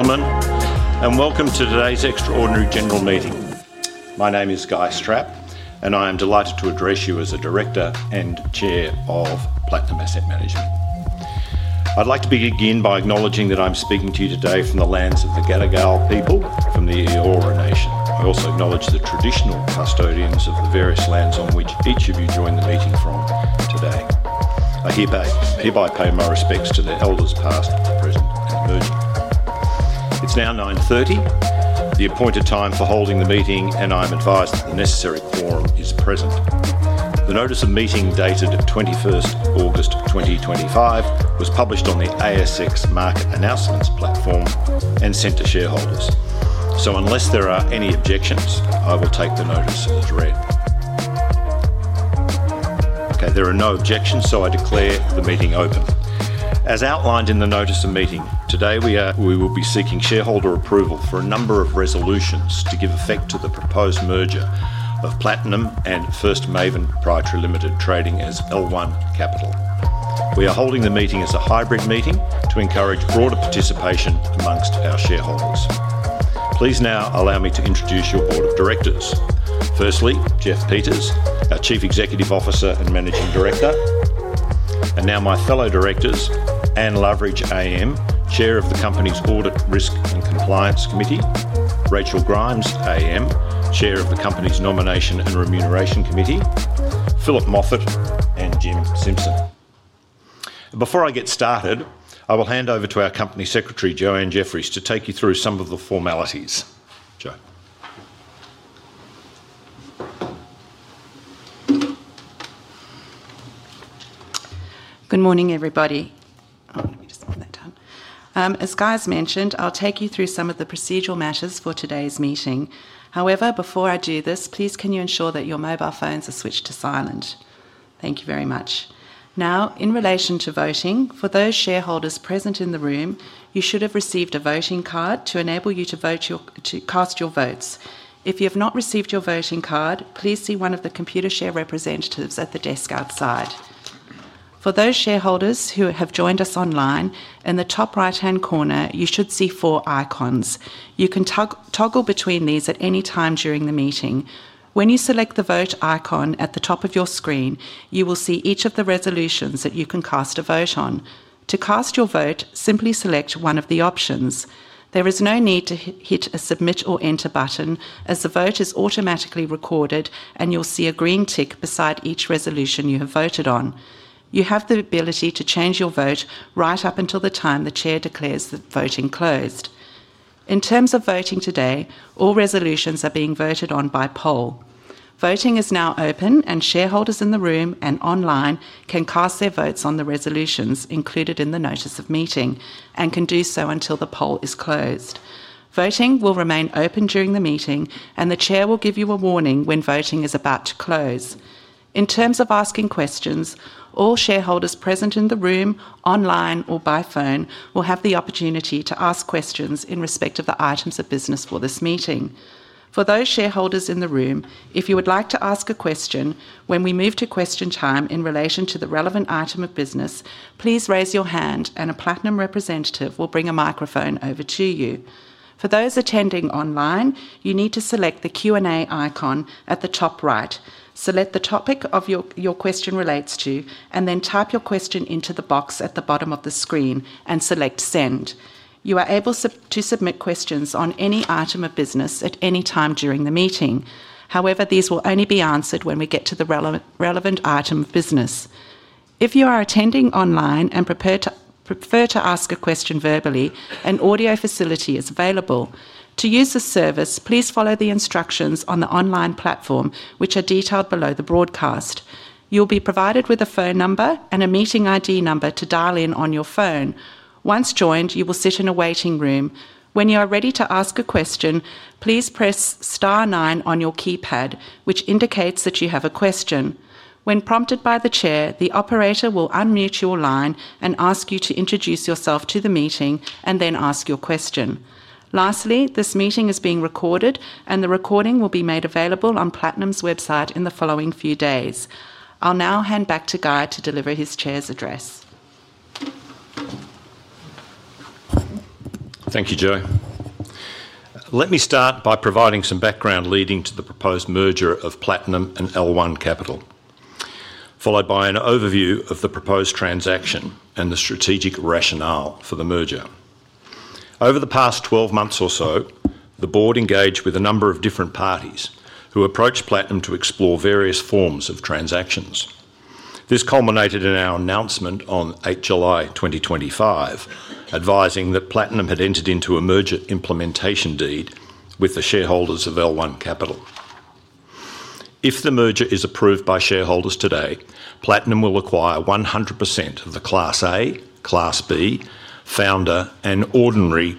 [Come in] and welcome to today's extraordinary general meeting. My name is Guy Strapp, and I am delighted to address you as a Director and Chair of Platinum Asset Management. I'd like to begin by acknowledging that I'm speaking to you today from the lands of the Gadigal people, from the Eora Nation. I also acknowledge the traditional custodians of the various lands on which each of you joined the meeting from today. I hereby pay my respects to their elders past, present, and emerging. It's now 9:30, the appointed time for holding the meeting, and I'm advised that the necessary quorum is present. The notice of meeting dated 21st August, 2025, was published on the ASX market announcements platform and sent to shareholders. Unless there are any objections, I will take the notice as read. There are no objections, so I declare the meeting open. As outlined in the notice of meeting, today we will be seeking shareholder approval for a number of resolutions to give effect to the proposed merger of Platinum and First Maven Proprietary Limited trading as L1 Capital. We are holding the meeting as a hybrid meeting to encourage broader participation amongst our shareholders. Please now allow me to introduce your Board of Directors. Firstly, Jeff Peters, our Chief Executive Officer and Managing Director, and now my fellow directors, Ann Loveridge AM, Chair of the Company's Audit, Risk, and Compliance Committee, Rachel Grimes AM, Chair of the Company's Nomination and Remuneration Committee, Philip Moffitt, and Jim Simpson. Before I get started, I will hand over to our Company Secretary, Joanne Jefferies, to take you through some of the formalities. Good morning, everybody. As Guy's mentioned, I'll take you through some of the procedural matters for today's meeting. However, before I do this, please can you ensure that your mobile phones are switched to silent? Thank you very much. Now, in relation to voting, for those shareholders present in the room, you should have received a voting card to enable you to cast your votes. If you have not received your voting card, please see one of the Computershare representatives at the desk outside. For those shareholders who have joined us online, in the top right-hand corner, you should see four icons. You can toggle between these at any time during the meeting. When you select the vote icon at the top of your screen, you will see each of the resolutions that you can cast a vote on. To cast your vote, simply select one of the options. There is no need to hit a submit or enter button, as the vote is automatically recorded and you'll see a green tick beside each resolution you have voted on. You have the ability to change your vote right up until the time the Chair declares the voting closed. In terms of voting today, all resolutions are being voted on by poll. Voting is now open, and shareholders in the room and online can cast their votes on the resolutions included in the notice of meeting and can do so until the poll is closed. Voting will remain open during the meeting, and the Chair will give you a warning when voting is about to close. In terms of asking questions, all shareholders present in the room, online or by phone, will have the opportunity to ask questions in respect of the items of business for this meeting. For those shareholders in the room, if you would like to ask a question when we move to question time in relation to the relevant item of business, please raise your hand and a Platinum representative will bring a microphone over to you. For those attending online, you need to select the Q&A icon at the top right, select the topic your question relates to, and then type your question into the box at the bottom of the screen and select send. You are able to submit questions on any item of business at any time during the meeting. However, these will only be answered when we get to the relevant item of business. If you are attending online and prefer to ask a question verbally, an audio facility is available. To use this service, please follow the instructions on the online platform, which are detailed below the broadcast. You'll be provided with a phone number and a meeting ID number to dial in on your phone. Once joined, you will sit in a waiting room. When you are ready to ask a question, please press star nine on your keypad, which indicates that you have a question. When prompted by the Chair, the operator will unmute your line and ask you to introduce yourself to the meeting and then ask your question. Lastly, this meeting is being recorded and the recording will be made available on Platinum's website in the following few days. I'll now hand back Guy Strapp to deliver his Chair's address. Thank you, Jo. Let me start by providing some background leading to the proposed merger of Platinum and L1 Capital, followed by an overview of the proposed transaction and the strategic rationale for the merger. Over the past 12 months or so, the board engaged with a number of different parties who approached Platinum to explore various forms of transactions. This culminated in our announcement on 8 July 2025, advising that Platinum had entered into a merger implementation deed with the shareholders of L1 Capital. If the merger is approved by shareholders today, Platinum will acquire 100% of the Class A, Class B, Founder, and Ordinary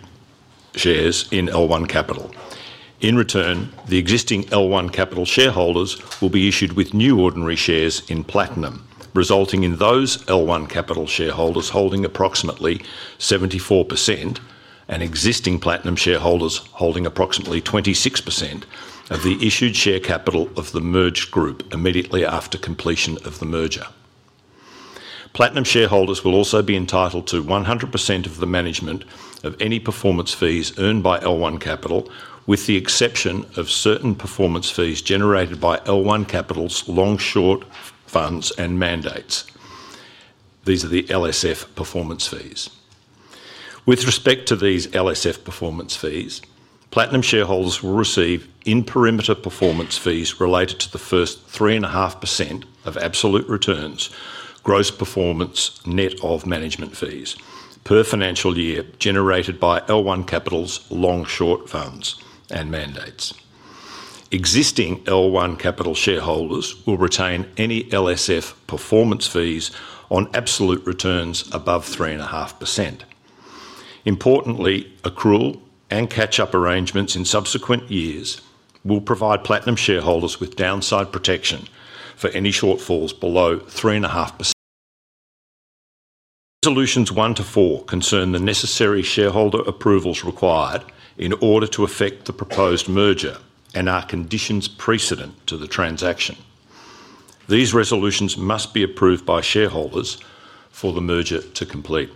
shares in L1 Capital. In return, the existing L1 Capital shareholders will be issued with new Ordinary shares in Platinum, resulting in those L1 Capital shareholders holding approximately 74% and existing Platinum shareholders holding approximately 26% of the issued share capital of the merged group immediately after completion of the merger. Platinum shareholders will also be entitled to 100% of the management of any performance fees earned by L1 Capital, with the exception of certain performance fees generated by L1 Capital's long-short funds and mandates. These are the LSF performance fees. With respect to these LSF performance fees, Platinum shareholders will receive in-perimeter performance fees related to the first 3.5% of absolute returns, gross performance net of management fees per financial year generated by L1 Capital's long-short funds and mandates. Existing L1 Capital shareholders will retain any LSF performance fees on absolute returns above 3.5%. Importantly, accrual and catch-up arrangements in subsequent years will provide Platinum shareholders with downside protection for any shortfalls below 3.5%. resolutions one to four concern the necessary shareholder approvals required in order to effect the proposed merger and are conditions precedent to the transaction. These resolutions must be approved by shareholders for the merger to complete.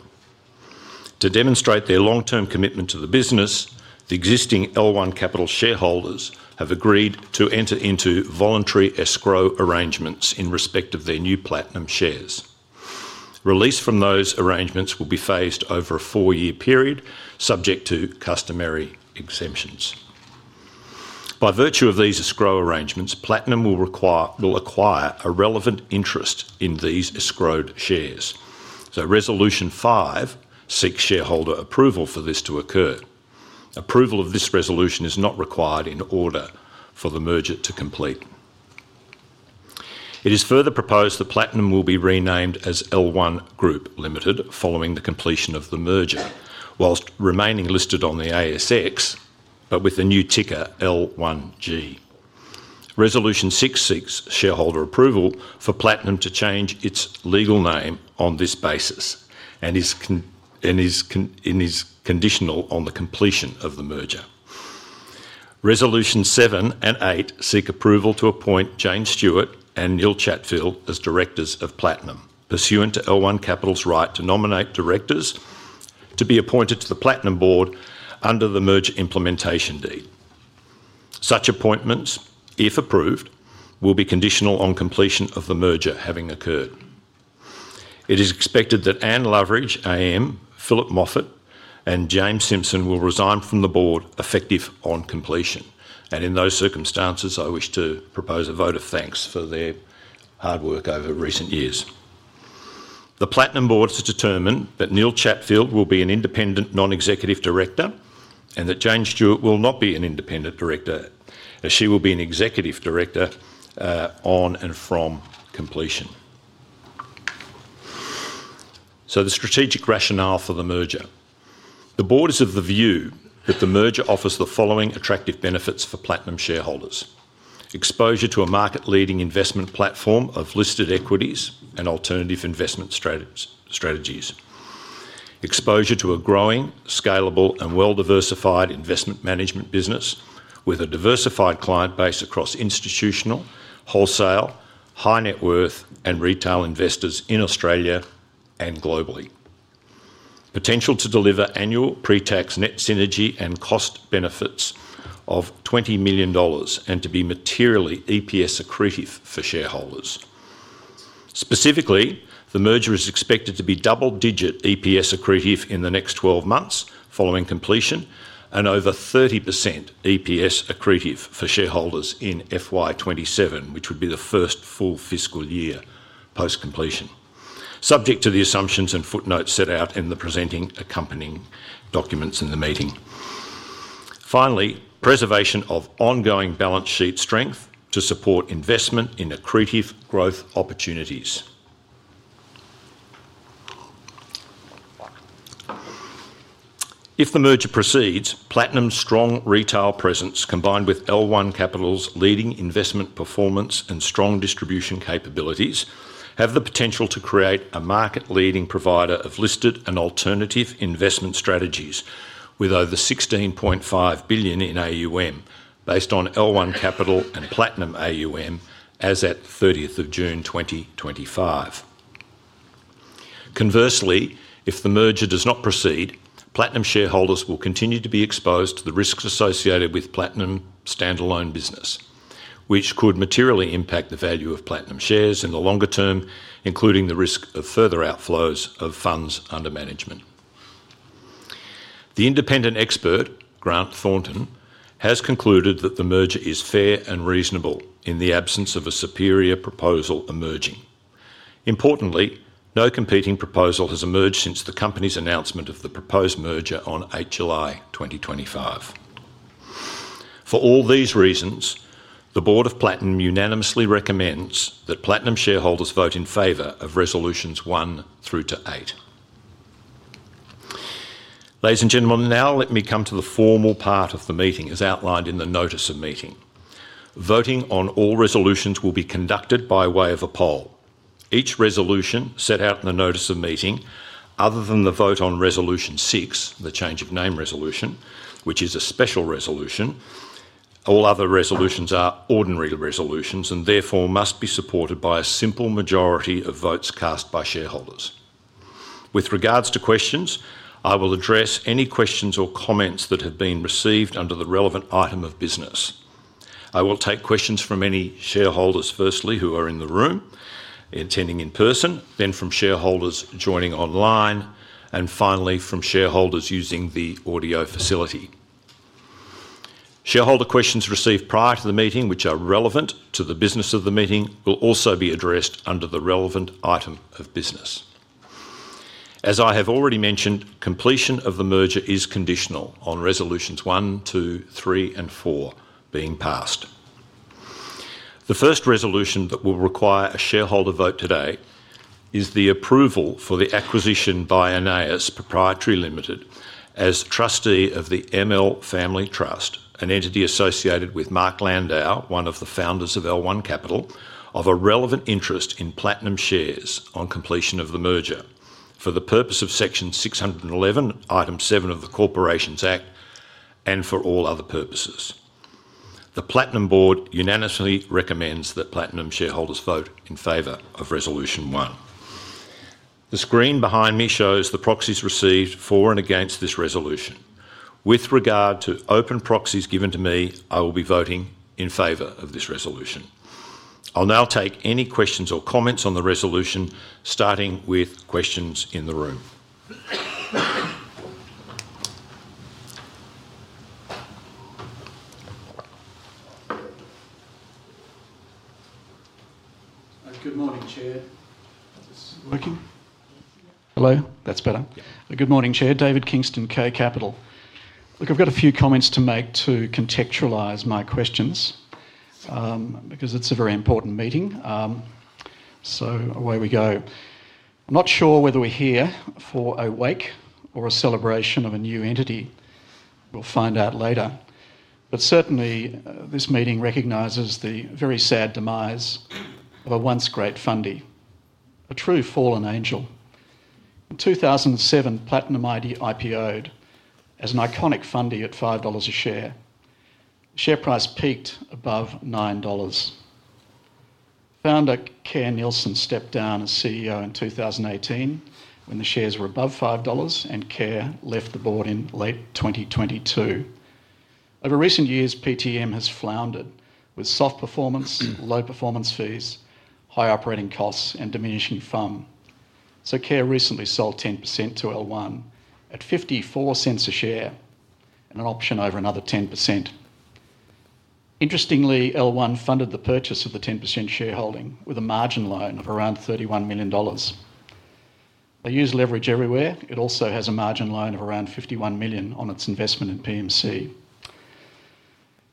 To demonstrate their long-term commitment to the business, the existing L1 Capital shareholders have agreed to enter into voluntary escrow arrangements in respect of their new Platinum shares. Release from those arrangements will be phased over a four-year period subject to customary exemptions. By virtue of these escrow arrangements, Platinum will acquire a relevant interest in these escrowed shares. Resolution five seeks shareholder approval for this to occur. Approval of this resolution is not required in order for the merger to complete. It is further proposed that Platinum will be renamed as L1 Group Limited following the completion of the merger, whilst remaining listed on the ASX, but with a new ticker L1G. Resolution six seeks shareholder approval for Platinum to change its legal name on this basis and is conditional on the completion of the merger. Resolutions seven and eight seek approval to appoint Jane Stewart and Neil Chatfield as Directors of Platinum, pursuant to L1 Capital's right to nominate Directors to be appointed to the Platinum Board under the merger implementation deed. Such appointments, if approved, will be conditional on completion of the merger having occurred. It is expected that Ann Loveridge AM, Philip Moffitt, and James Simpson will resign from the Board effective on completion. In those circumstances, I wish to propose a vote of thanks for their hard work over recent years. The Platinum Board has determined that Neil Chatfield will be an independent Non-Executive Director and that Jane Stewart will not be an independent Director, as she will be an Executive Director on and from completion. The strategic rationale for the merger. The Board is of the view that the merger offers the following attractive benefits for Platinum shareholders. Exposure to a market-leading investment platform of listed equities and alternative investment strategies. Exposure to a growing, scalable, and well-diversified investment management business with a diversified client base across institutional, wholesale, high-net-worth, and retail investors in Australia and globally. Potential to deliver annual pre-tax net synergy and cost benefits of $20 million and to be materially EPS accretive for shareholders. Specifically, the merger is expected to be double-digit EPS accretive in the next 12 months following completion and over 30% EPS accretive for shareholders in FY 2027, which would be the first full fiscal year post-completion, subject to the assumptions and footnotes set out in the presenting accompanying documents in the meeting. Finally, preservation of ongoing balance sheet strength to support investment in accretive growth opportunities. If the merger proceeds, Platinum's strong retail presence, combined with L1 Capital's leading investment performance and strong distribution capabilities, have the potential to create a market-leading provider of listed and alternative investment strategies with over $16.5 billion in AUM based on L1 Capital and Platinum AUM as at 30th of June, 2025. Conversely, if the merger does not proceed, Platinum shareholders will continue to be exposed to the risks associated with Platinum's standalone business, which could materially impact the value of Platinum shares in the longer term, including the risk of further outflows of funds under management. The independent expert, Grant Thornton, has concluded that the merger is fair and reasonable in the absence of a superior proposal emerging. Importantly, no competing proposal has emerged since the company's announcement of the proposed merger on 8 July, 2025. For all these reasons, the Board of Platinum unanimously recommends that Platinum shareholders vote in favor of resolutions one through eight. Ladies and gentlemen, now let me come to the formal part of the meeting as outlined in the notice of meeting. Voting on all resolutions will be conducted by way of a poll. Each resolution set out in the notice of meeting, other than the vote on resolution six, the change of name resolution, which is a special resolution, all other resolutions are ordinary resolutions and therefore must be supported by a simple majority of votes cast by shareholders. With regards to questions, I will address any questions or comments that have been received under the relevant item of business. I will take questions from any shareholders firstly who are in the room, attending in person, then from shareholders joining online, and finally from shareholders using the audio facility. Shareholder questions received prior to the meeting, which are relevant to the business of the meeting, will also be addressed under the relevant item of business. As I have already mentioned, completion of the merger is conditional on resolutions one, two, three, and four being passed. The first resolution that will require a shareholder vote today is the approval for the acquisition by Anais Proprietary Limited as trustee of the ML Family Trust, an entity associated with Mark Landau, one of the founders of L1 Capital, of a relevant interest in Platinum shares on completion of the merger for the purpose of section 611, item 7 of the Corporations Act and for all other purposes. The Platinum Board unanimously recommends that Platinum shareholders vote in favor of resolution one. The screen behind me shows the proxies received for and against this resolution. With regard to open proxies given to me, I will be voting in favor of this resolution. I'll now take any questions or comments on the resolution, starting with questions in the room. Good morning, Chair. Hello, that's better. Good morning, Chair. David Kingston, K Capital. I've got a few comments to make to contextualize my questions because it's a very important meeting. I'm not sure whether we're here for a wake or a celebration of a new entity. We'll find out later. This meeting recognizes the very sad demise of a once great fundy, a true fallen angel. In 2007, Platinum IPO'd as an iconic fundy at $5 a share. The share price peaked above $9. Founder Kerr Neilson stepped down as CEO in 2018 when the shares were above $5, and Kerr left the board in late 2022. Over recent years, PTM has floundered with soft performance and low performance fees, high operating costs, and diminishing funds. Kerr recently sold 10% to L1 at $0.54 a share and an option over another 10%. Interestingly, L1 funded the purchase of the 10% shareholding with a margin loan of around $31 million. They use leverage everywhere. It also has a margin loan of around $51 million on its investment in PMC.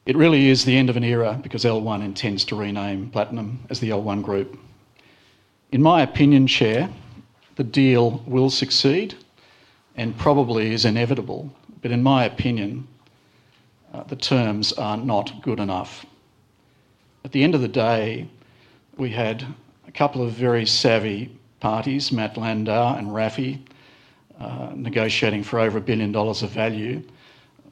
It really is the end of an era because L1 intends to rename Platinum as the L1 Group. In my opinion, Chair, the deal will succeed and probably is inevitable, but in my opinion, the terms are not good enough. At the end of the day, we had a couple of very savvy parties, Mark Landau and Rafi, negotiating for over $1 billion of value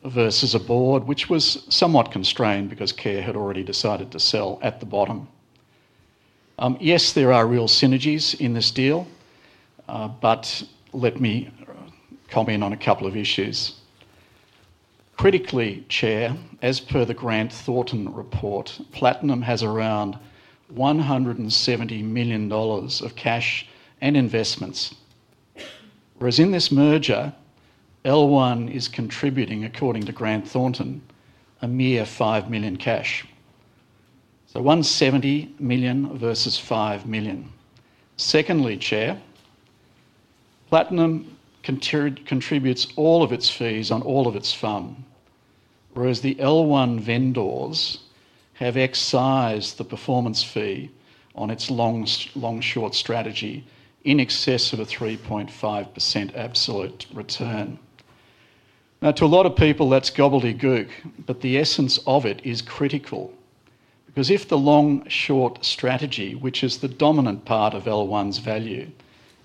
versus a board, which was somewhat constrained because Kerr had already decided to sell at the bottom. Yes, there are real synergies in this deal, but let me comment on a couple of issues. Critically, Chair, as per the Grant Thornton report, Platinum has around $170 million of cash and investments, whereas in this merger, L1 is contributing, according to Grant Thornton, a mere $5 million cash. So $170 million versus $5 million. Secondly, Chair, Platinum contributes all of its fees on all of its funds, whereas the L1 vendors have excised the performance fee on its long-short strategy in excess of a 3.5% absolute return. To a lot of people, that's gobbledygook, but the essence of it is critical because if the long-short strategy, which is the dominant part of L1's value,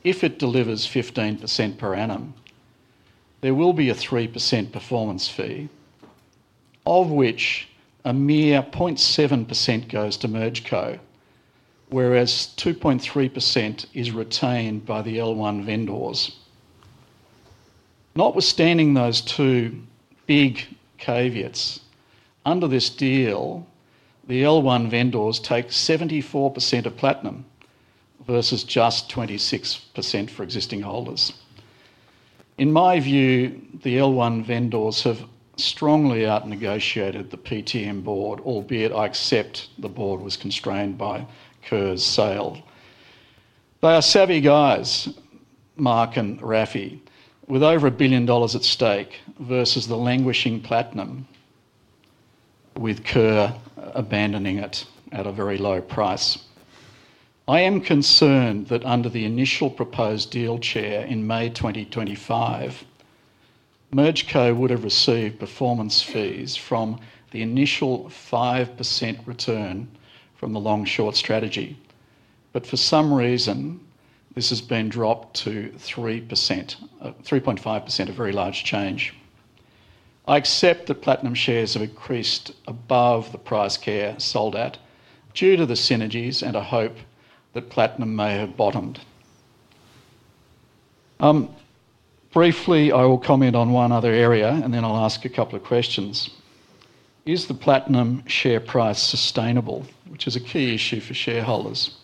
if it delivers 15% per annum, there will be a 3% performance fee of which a mere 0.7% goes to MergeCo, whereas 2.3% is retained by the L1 vendors. Notwithstanding those two big caveats, under this deal, the L1 vendors take 74% of Platinum versus just 26% for existing holders. In my view, the L1 vendors have strongly out-negotiated the Platinum Asset Management Limited board, albeit I accept the board was constrained by Kerr's sale. They are savvy guys, Mark and Rafi, with over $1 billion at stake versus the languishing Platinum with Kerr abandoning it at a very low price. I am concerned that under the initial proposed deal, Chair, in May 2025, MergeCo would have received performance fees from the initial 5% return from the long-short strategy, but for some reason, this has been dropped to 3.5%, a very large change. I accept that Platinum shares have increased above the price Kerr sold at due to the synergies, and I hope that Platinum may have bottomed. Briefly, I will comment on one other area, and then I'll ask a couple of questions. Is the Platinum share price sustainable, which is a key issue for shareholders?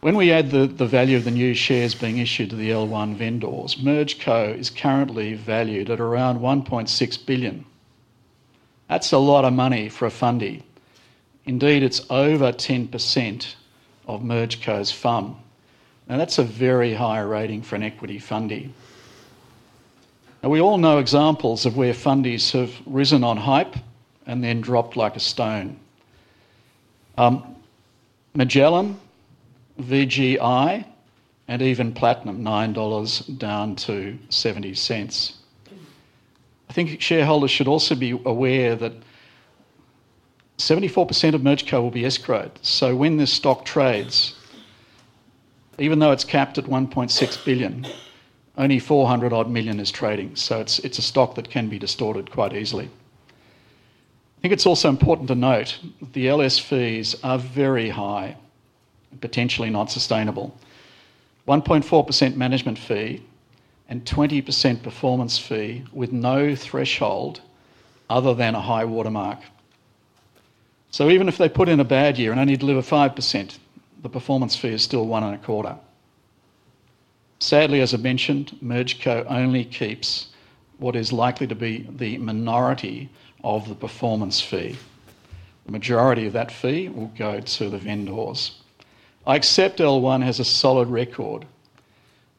When we add the value of the new shares being issued to the L1 vendors, MergeCo is currently valued at around $1.6 billion. That's a lot of money for a fundy. Indeed, it's over 10% of MergeCo's fund. Now, that's a very high rating for an equity fundy. We all know examples of where fundies have risen on hype and then dropped like a stone. Magellan, VGI, and even Platinum, $9 down to $0.70. I think shareholders should also be aware that 74% of MergeCo will be escrowed. When this stock trades, even though it's capped at $1.6 billion, only $400-odd million is trading. It's a stock that can be distorted quite easily. I think it's also important to note that the LS fees are very high and potentially not sustainable. 1.4% management fee and 20% performance fee with no threshold other than a high watermark. Even if they put in a bad year and only deliver 5%, the performance fee is still one and a quarter. Sadly, as I mentioned, MergeCo only keeps what is likely to be the minority of the performance fee. The majority of that fee will go to the vendors. I accept L1 has a solid record,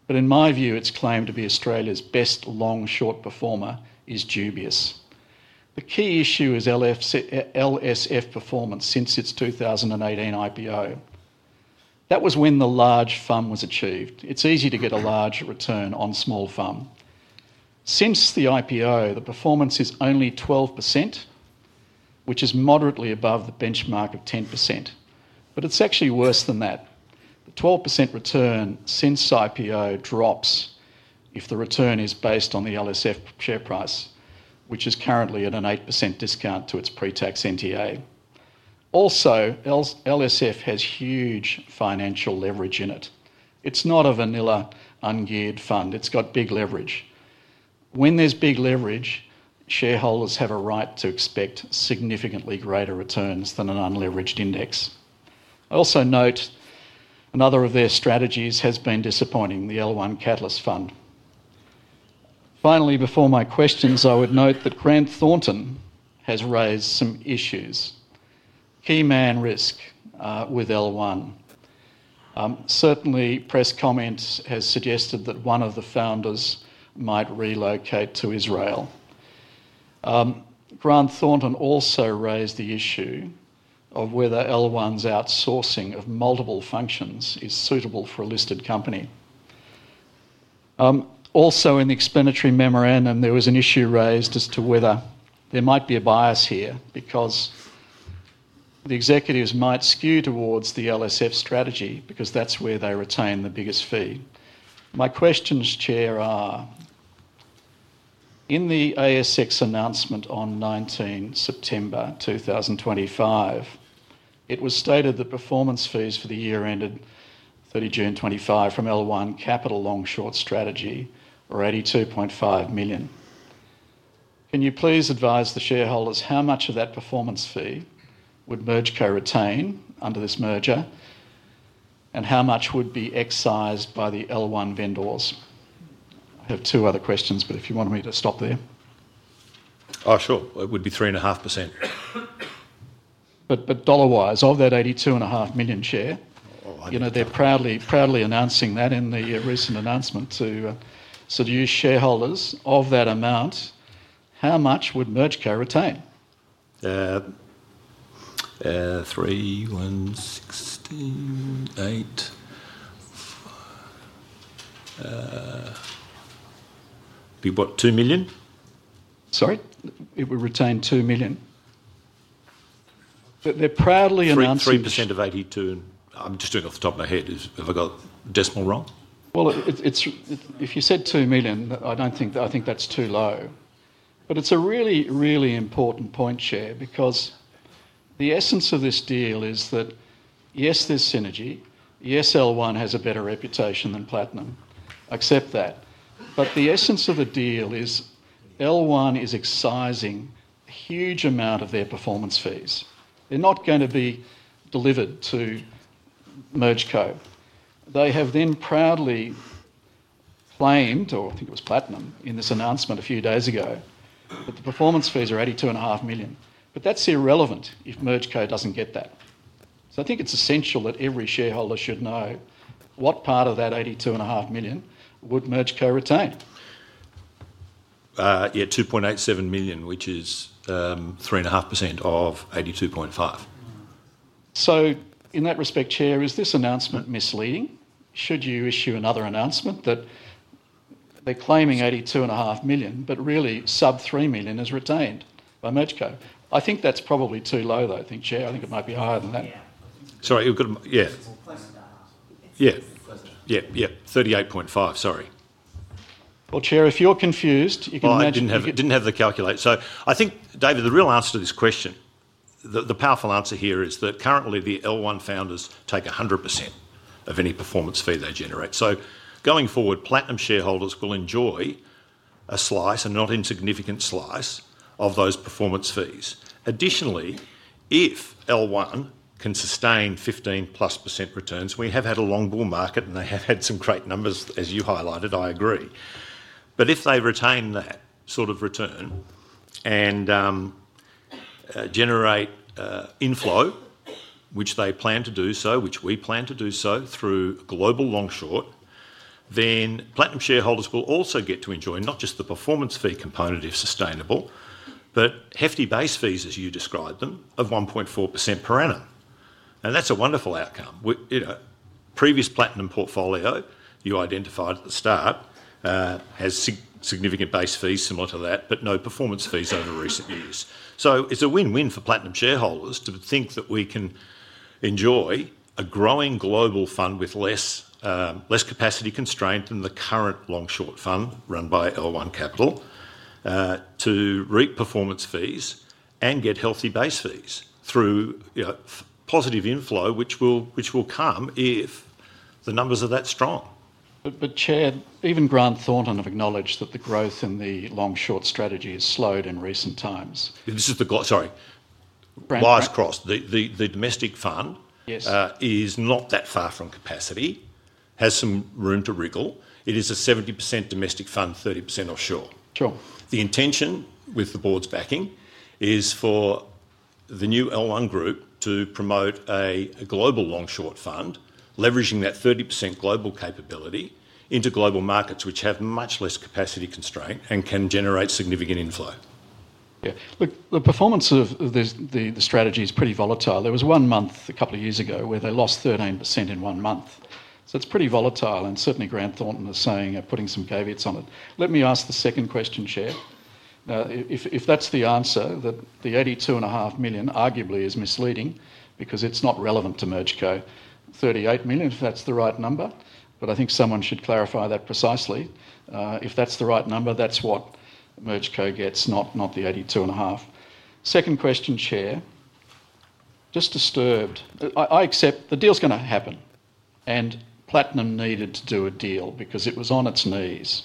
but in my view, its claim to be Australia's best long-short performer is dubious. The key issue is LSF performance since its 2018 IPO. That was when the large fund was achieved. It's easy to get a large return on a small fund. Since the IPO, the performance is only 12%, which is moderately above the benchmark of 10%, but it's actually worse than that. The 12% return since IPO drops if the return is based on the LSF share price, which is currently at an 8% discount to its pre-tax NTA. Also, LSF has huge financial leverage in it. It's not a vanilla, ungeared fund. It's got big leverage. When there's big leverage, shareholders have a right to expect significantly greater returns than an unleveraged index. I also note another of their strategies has been disappointing, the L1 Catalyst Fund. Finally, before my questions, I would note that Grant Thornton has raised some issues, key man risk with L1. Certainly, press comments have suggested that one of the founders might relocate to Israel. Grant Thornton also raised the issue of whether L1's outsourcing of multiple functions is suitable for a listed company. Also, in the expenditure memorandum, there was an issue raised as to whether there might be a bias here because the executives might skew towards the LSF strategy because that's where they retain the biggest fee. My questions, Chair, are in the ASX announcement on 19 September 2025. It was stated that performance fees for the year ended 30 June 2025 from L1 Capital long-short strategy were $82.5 million. Can you please advise the shareholders how much of that performance fee would MergeCo retain under this merger and how much would be excised by the L1 vendors? I have two other questions, but if you want me to stop there. Oh, sure. It would be 3.5%. Dollar-wise, of that $82.5 million, Chair, you know they're proudly announcing that in the recent announcement to seduce shareholders. Of that amount, how much would MergeCo retain? Three, one, sixteen, eight. Be what, $2 million? Sorry? It would retain $2 million. They're proudly announcing. 3% of $82 million, and I'm just doing off the top of my head, have I got a decimal wrong? If you said $2 million, I don't think that's too low. It's a really, really important point, Chair, because the essence of this deal is that yes, there's synergy. Yes, L1 has a better reputation than Platinum. I accept that. The essence of the deal is L1 is excising a huge amount of their performance fees. They're not going to be delivered to MergeCo. They have then proudly claimed, or I think it was Platinum in this announcement a few days ago, that the performance fees are $82.5 million. That's irrelevant if MergeCo doesn't get that. I think it's essential that every shareholder should know what part of that $82.5 million would MergeCo retain. Yeah, $2.87 million, which is 3.5% of $82.5 million. In that respect, Chair, is this announcement misleading? Should you issue another announcement that they're claiming $82.5 million, but really sub $3 million is retained by MergeCo? I think that's probably too low, though, Chair. I think it might be higher than that. Yeah. Sorry, yeah. Yeah. Yeah. [$38.5 million]. Sorry. Chair, if you're confused, you can imagine. I didn't have the calculator. I think, David, the real answer to this question, the powerful answer here is that currently the L1 founders take 100% of any performance fee they generate. Going forward, Platinum shareholders will enjoy a slice, a not insignificant slice, of those performance fees. Additionally, if L1 can sustain 15%+ returns, we have had a long bull market and they have had some great numbers, as you highlighted, I agree. If they retain that sort of return and generate inflow, which they plan to do, which we plan to do through global long-short, then Platinum shareholders will also get to enjoy not just the performance fee component if sustainable, but hefty base fees, as you describe them, of 1.4% per annum. That's a wonderful outcome. Previous Platinum portfolio you identified at the start has significant base fees similar to that, but no performance fees over recent years. It's a win-win for Platinum shareholders to think that we can enjoy a growing global fund with less capacity constraint than the current long-short fund run by L1 Capital to reap performance fees and get healthy base fees through positive inflow, which will come if the numbers are that strong. Chair, even Grant Thornton have acknowledged that the growth in the long-short strategy has slowed in recent times. Sorry, wires crossed. The domestic fund is not that far from capacity, has some room to wriggle. It is a 70% domestic fund, 30% offshore. Sure. The intention with the board's backing is for the new L1 Group to promote a global long-short fund, leveraging that 30% global capability into global markets, which have much less capacity constraint and can generate significant inflow. Yeah. Look, the performance of the strategy is pretty volatile. There was one month a couple of years ago where they lost 13% in one month. It's pretty volatile, and certainly Grant Thornton is saying, putting some caveats on it. Let me ask the second question, Chair. Now, if that's the answer, that the $82.5 million arguably is misleading because it's not relevant to MergeCo. $38 million, if that's the right number, but I think someone should clarify that precisely. If that's the right number, that's what MergeCo gets, not the $82.5 million. Second question, Chair. Just disturbed. I accept the deal's going to happen, and Platinum needed to do a deal because it was on its knees,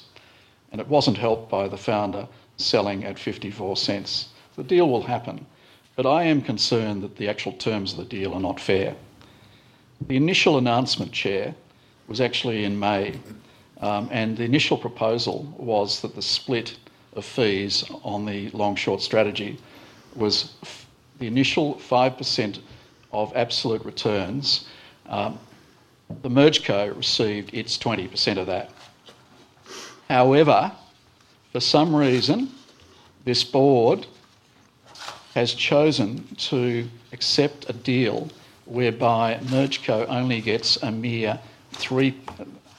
and it wasn't helped by the founder selling at $0.54. The deal will happen, but I am concerned that the actual terms of the deal are not fair. The initial announcement, Chair, was actually in May, and the initial proposal was that the split of fees on the long-short strategy was the initial 5% of absolute returns. The MergeCo received its 20% of that. However, for some reason, this board has chosen to accept a deal whereby MergeCo only gets a mere 3%,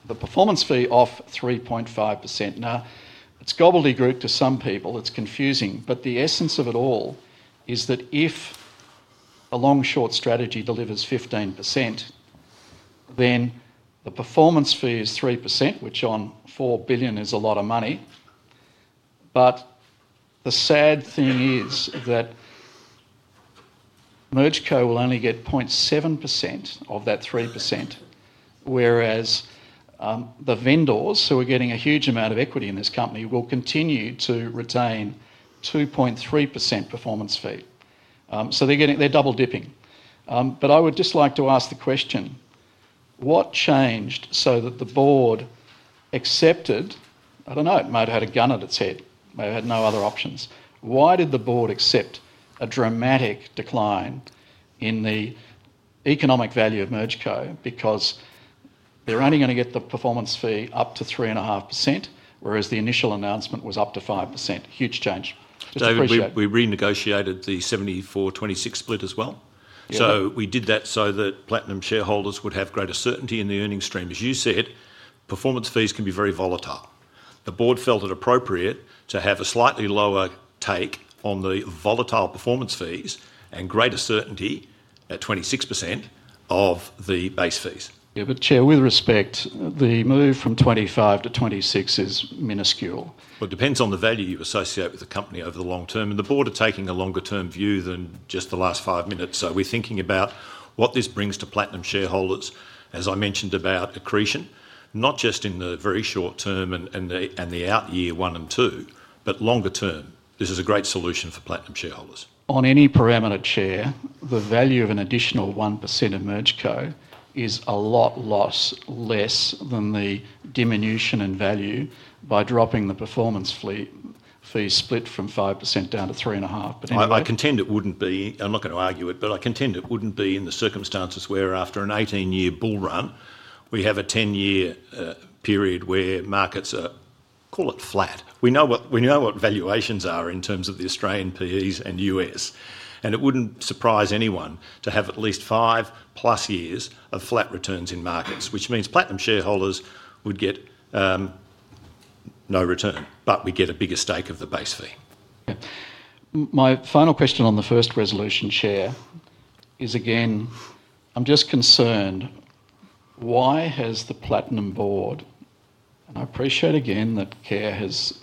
the performance fee off 3.5%. Now, it's gobbledygook to some people, it's confusing, but the essence of it all is that if a long-short strategy delivers 15%, then the performance fee is 3%, which on $4 billion is a lot of money. The sad thing is that MergeCo will only get 0.7% of that 3%, whereas the vendors who are getting a huge amount of equity in this company will continue to retain 2.3% performance fee. They're double-dipping. I would just like to ask the question, what changed so that the board accepted, I don't know, it might have had a gun at its head, it might have had no other options. Why did the board accept a dramatic decline in the economic value of MergeCo? They're only going to get the performance fee up to 3.5%, whereas the initial announcement was up to 5%. Huge change. David, we renegotiated the 74/26 split as well. We did that so that Platinum shareholders would have greater certainty in the earnings stream. As you said, performance fees can be very volatile. The board felt it appropriate to have a slightly lower take on the volatile performance fees and greater certainty at 26% of the base fees. Yeah, Chair, with respect, the move from 25%-26% is minuscule. It depends on the value you associate with the company over the long term, and the board are taking a longer-term view than just the last five minutes. We're thinking about what this brings to Platinum shareholders, as I mentioned about accretion, not just in the very short term and the out-year one and two, but longer term. This is a great solution for Platinum shareholders. On any parameter, Chair, the value of an additional 1% in MergeCo is a lot less than the diminution in value by dropping the performance fee split from 5% down to 3.5%. I contend it wouldn't be, I'm not going to argue it, but I contend it wouldn't be in the circumstances where after an 18-year bull run, we have a 10-year period where markets are, call it flat. We know what valuations are in terms of the Australian PEs and U.S., and it wouldn't surprise anyone to have at least 5+ years of flat returns in markets, which means Platinum shareholders would get no return, but we get a bigger stake of the base fee. Yeah. My final question on the first resolution, Chair, is again, I'm just concerned, why has the Platinum Board, and I appreciate again that Kerr has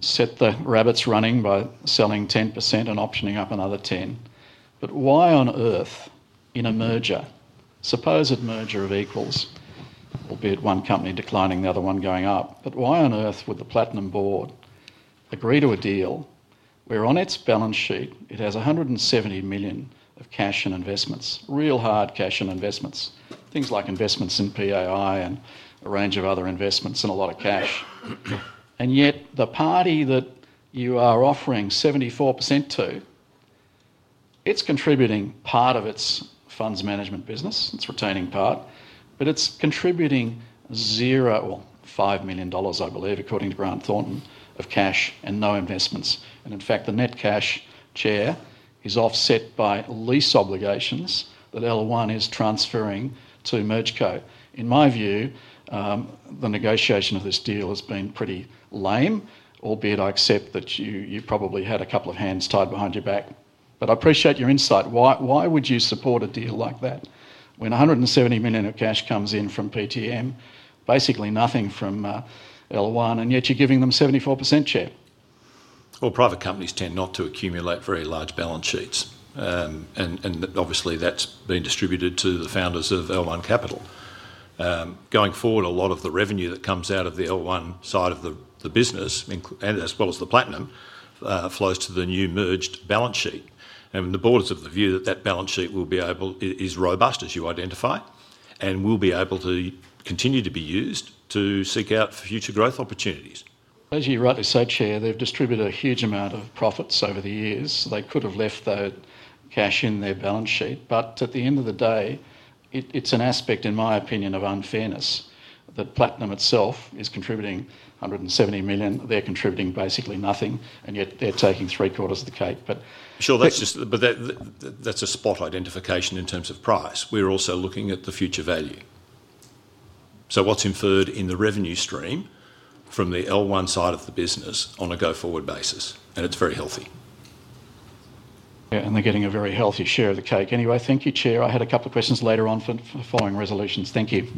set the rabbits running by selling 10% and optioning up another 10%, but why on earth in a merger, supposed merger of equals, albeit one company declining, the other one going up, why on earth would the Platinum Board agree to a deal where on its balance sheet, it has $170 million of cash and investments, real hard cash and investments, things like investments in PAI and a range of other investments and a lot of cash, yet the party that you are offering 74% to, it's contributing part of its funds management business, it's retaining part, but it's contributing $0 or $5 million, I believe, according to Grant Thornton, of cash and no investments. In fact, the net cash, Chair, is offset by lease obligations that L1 is transferring to MergeCo. In my view, the negotiation of this deal has been pretty lame, albeit I accept that you probably had a couple of hands tied behind your back, but I appreciate your insight. Why would you support a deal like that when $170 million of cash comes in from PTM, basically nothing from L1, and yet you're giving them 74%, Chair? Private companies tend not to accumulate very large balance sheets, and obviously that's been distributed to the founders of L1 Capital. Going forward, a lot of the revenue that comes out of the L1 side of the business, as well as Platinum, flows to the new merged balance sheet. The board is of the view that that balance sheet is robust, as you identify, and will be able to continue to be used to seek out future growth opportunities. As you rightly said, Chair, they've distributed a huge amount of profits over the years. They could have left that cash in their balance sheet, but at the end of the day, it's an aspect, in my opinion, of unfairness that Platinum itself is contributing $170 million, they're contributing basically nothing, and yet they're taking three quarters of the cake. That's just a spot identification in terms of price. We're also looking at the future value. What's inferred in the revenue stream from the L1 side of the business on a go-forward basis is very healthy. Yeah, and they're getting a very healthy share of the cake. Anyway, thank you, Chair. I had a couple of questions later on for the following resolutions. Thank you.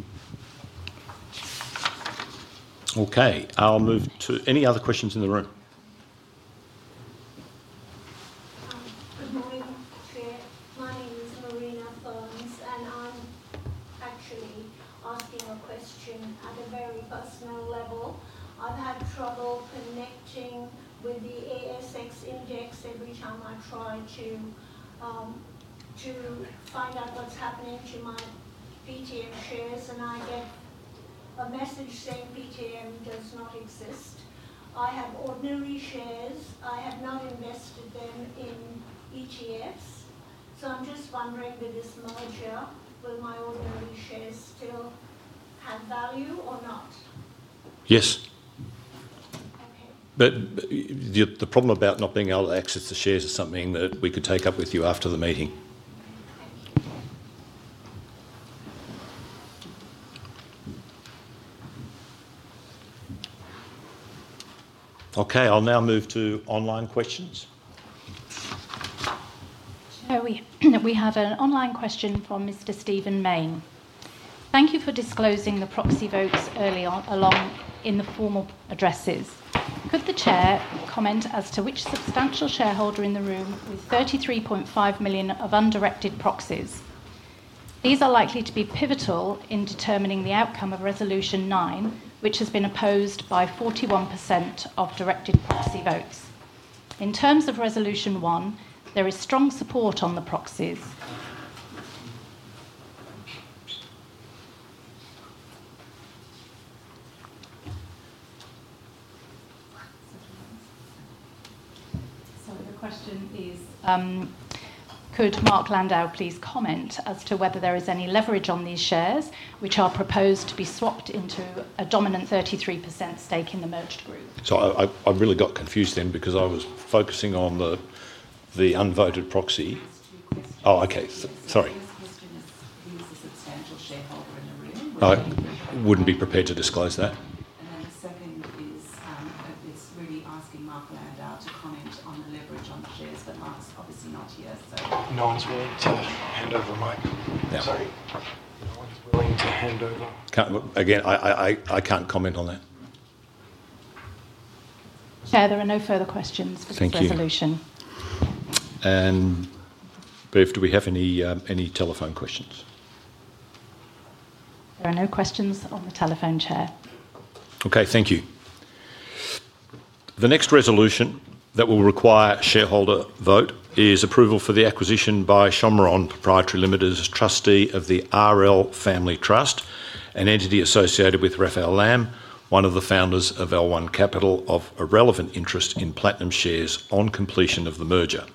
Okay, I'll move to any other questions in the room. Chair, my name is [Marina Thornes], and I'm actually asking a question at a very personal level. I've had trouble connecting with the ASX index every time I try to find out what's happening to my PTM shares, and I get a message saying PTM does not exist. I have ordinary shares. I have not invested them in ETFs. I'm just wondering with this merger, will my ordinary shares still have value? Yes. The problem about not being able to access the shares is something that we could take up with you after the meeting. Okay, I'll now move to online questions. Shall we? We have an online question from [Mr. Stephen Main]. Thank you for disclosing the proxy votes early on along in the formal addresses. Could the Chair comment as to which substantial shareholder in the room with 33.5 million of undirected proxies? These are likely to be pivotal in determining the outcome of resolution nine, which has been opposed by 41% of directed proxy votes. In terms of resolution one, there is strong support on the proxies. The question is, could Mark Landau please comment as to whether there is any leverage on these shares, which are proposed to be swapped into a dominant 33% stake in the merged group? I really got confused then because I was focusing on the unvoted proxy. Oh, okay. Sorry. The question is, who is the substantial shareholder in the room? I wouldn't be prepared to disclose that. The second is, it's really asking Mark Landau to comment on the leverage on shares, but Mark's obviously not here. No one's willing to hand over mic. Sorry. No one's willing to hand over. Again, I can't comment on that. Chair, there are no further questions for this resolution. Bev, do we have any telephone questions? There are no questions on the telephone, Chair. Okay, thank you. The next resolution that will require shareholder vote is approval for the acquisition by Shamron Proprietary Ltd, Trustee of the RL Family Trust, an entity associated with Raphael Lamm, one of the founders of L1 Capital, of a relevant interest in Platinum shares on completion of the merger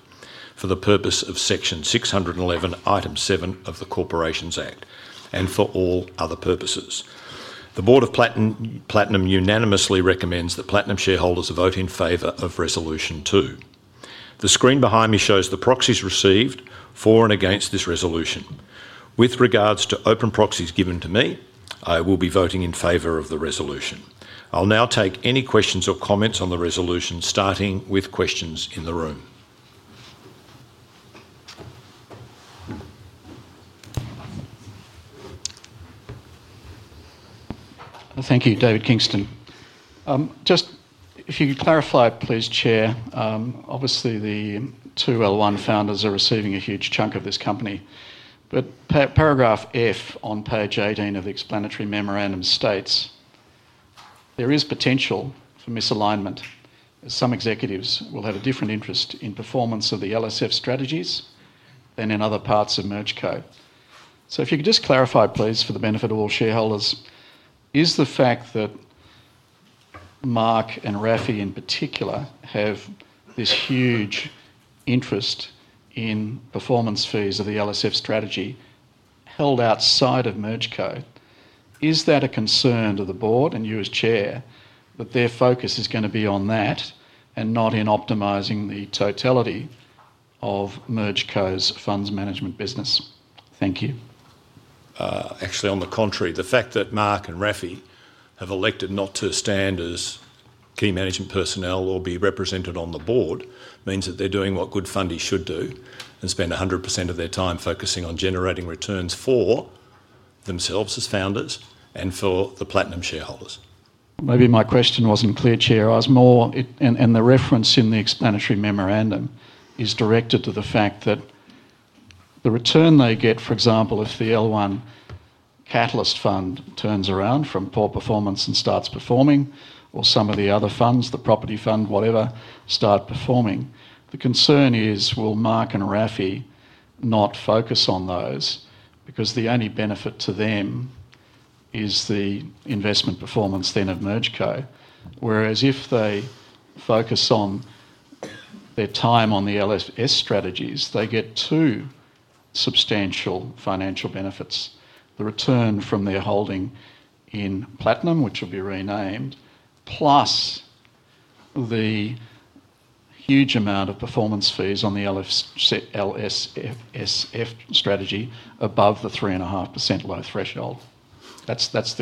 for the purpose of section 611, item 7 of the Corporations Act and for all other purposes. The Board of Platinum unanimously recommends that Platinum shareholders vote in favor of resolution two. The screen behind me shows the proxies received for and against this resolution. With regards to open proxies given to me, I will be voting in favor of the resolution. I'll now take any questions or comments on the resolution, starting with questions in the room. Thank you, David Kingston. Just if you could clarify, please, Chair, obviously the two L1 founders are receiving a huge chunk of this company, but paragraph F on page 18 of the explanatory memorandum states there is potential for misalignment as some executives will have a different interest in performance of the LSF strategies than in other parts of MergeCo. If you could just clarify, please, for the benefit of all shareholders, is the fact that Mark and Rafi in particular have this huge interest in performance fees of the LSF strategy held outside of MergeCo, is that a concern to the board and you as Chair that their focus is going to be on that and not in optimizing the totality of MergeCo's funds management business? Thank you. Actually, on the contrary, the fact that Mark and Rafi have elected not to stand as key management personnel or be represented on the board means that they're doing what good funding should do and spend 100% of their time focusing on generating returns for themselves as founders and for the Platinum shareholders. Maybe my question wasn't clear, Chair. I was more, and the reference in the explanatory memorandum is directed to the fact that the return they get, for example, if the L1 Catalyst Fund turns around from poor performance and starts performing, or some of the other funds, the property fund, whatever, start performing, the concern is, will Mark and Rafi not focus on those because the only benefit to them is the investment performance then of MergeCo, whereas if they focus on their time on the LSF strategies, they get two substantial financial benefits. The return from their holding in Platinum, which will be renamed, plus the huge amount of performance fees on the LSF strategy above the 3.5% low threshold. That's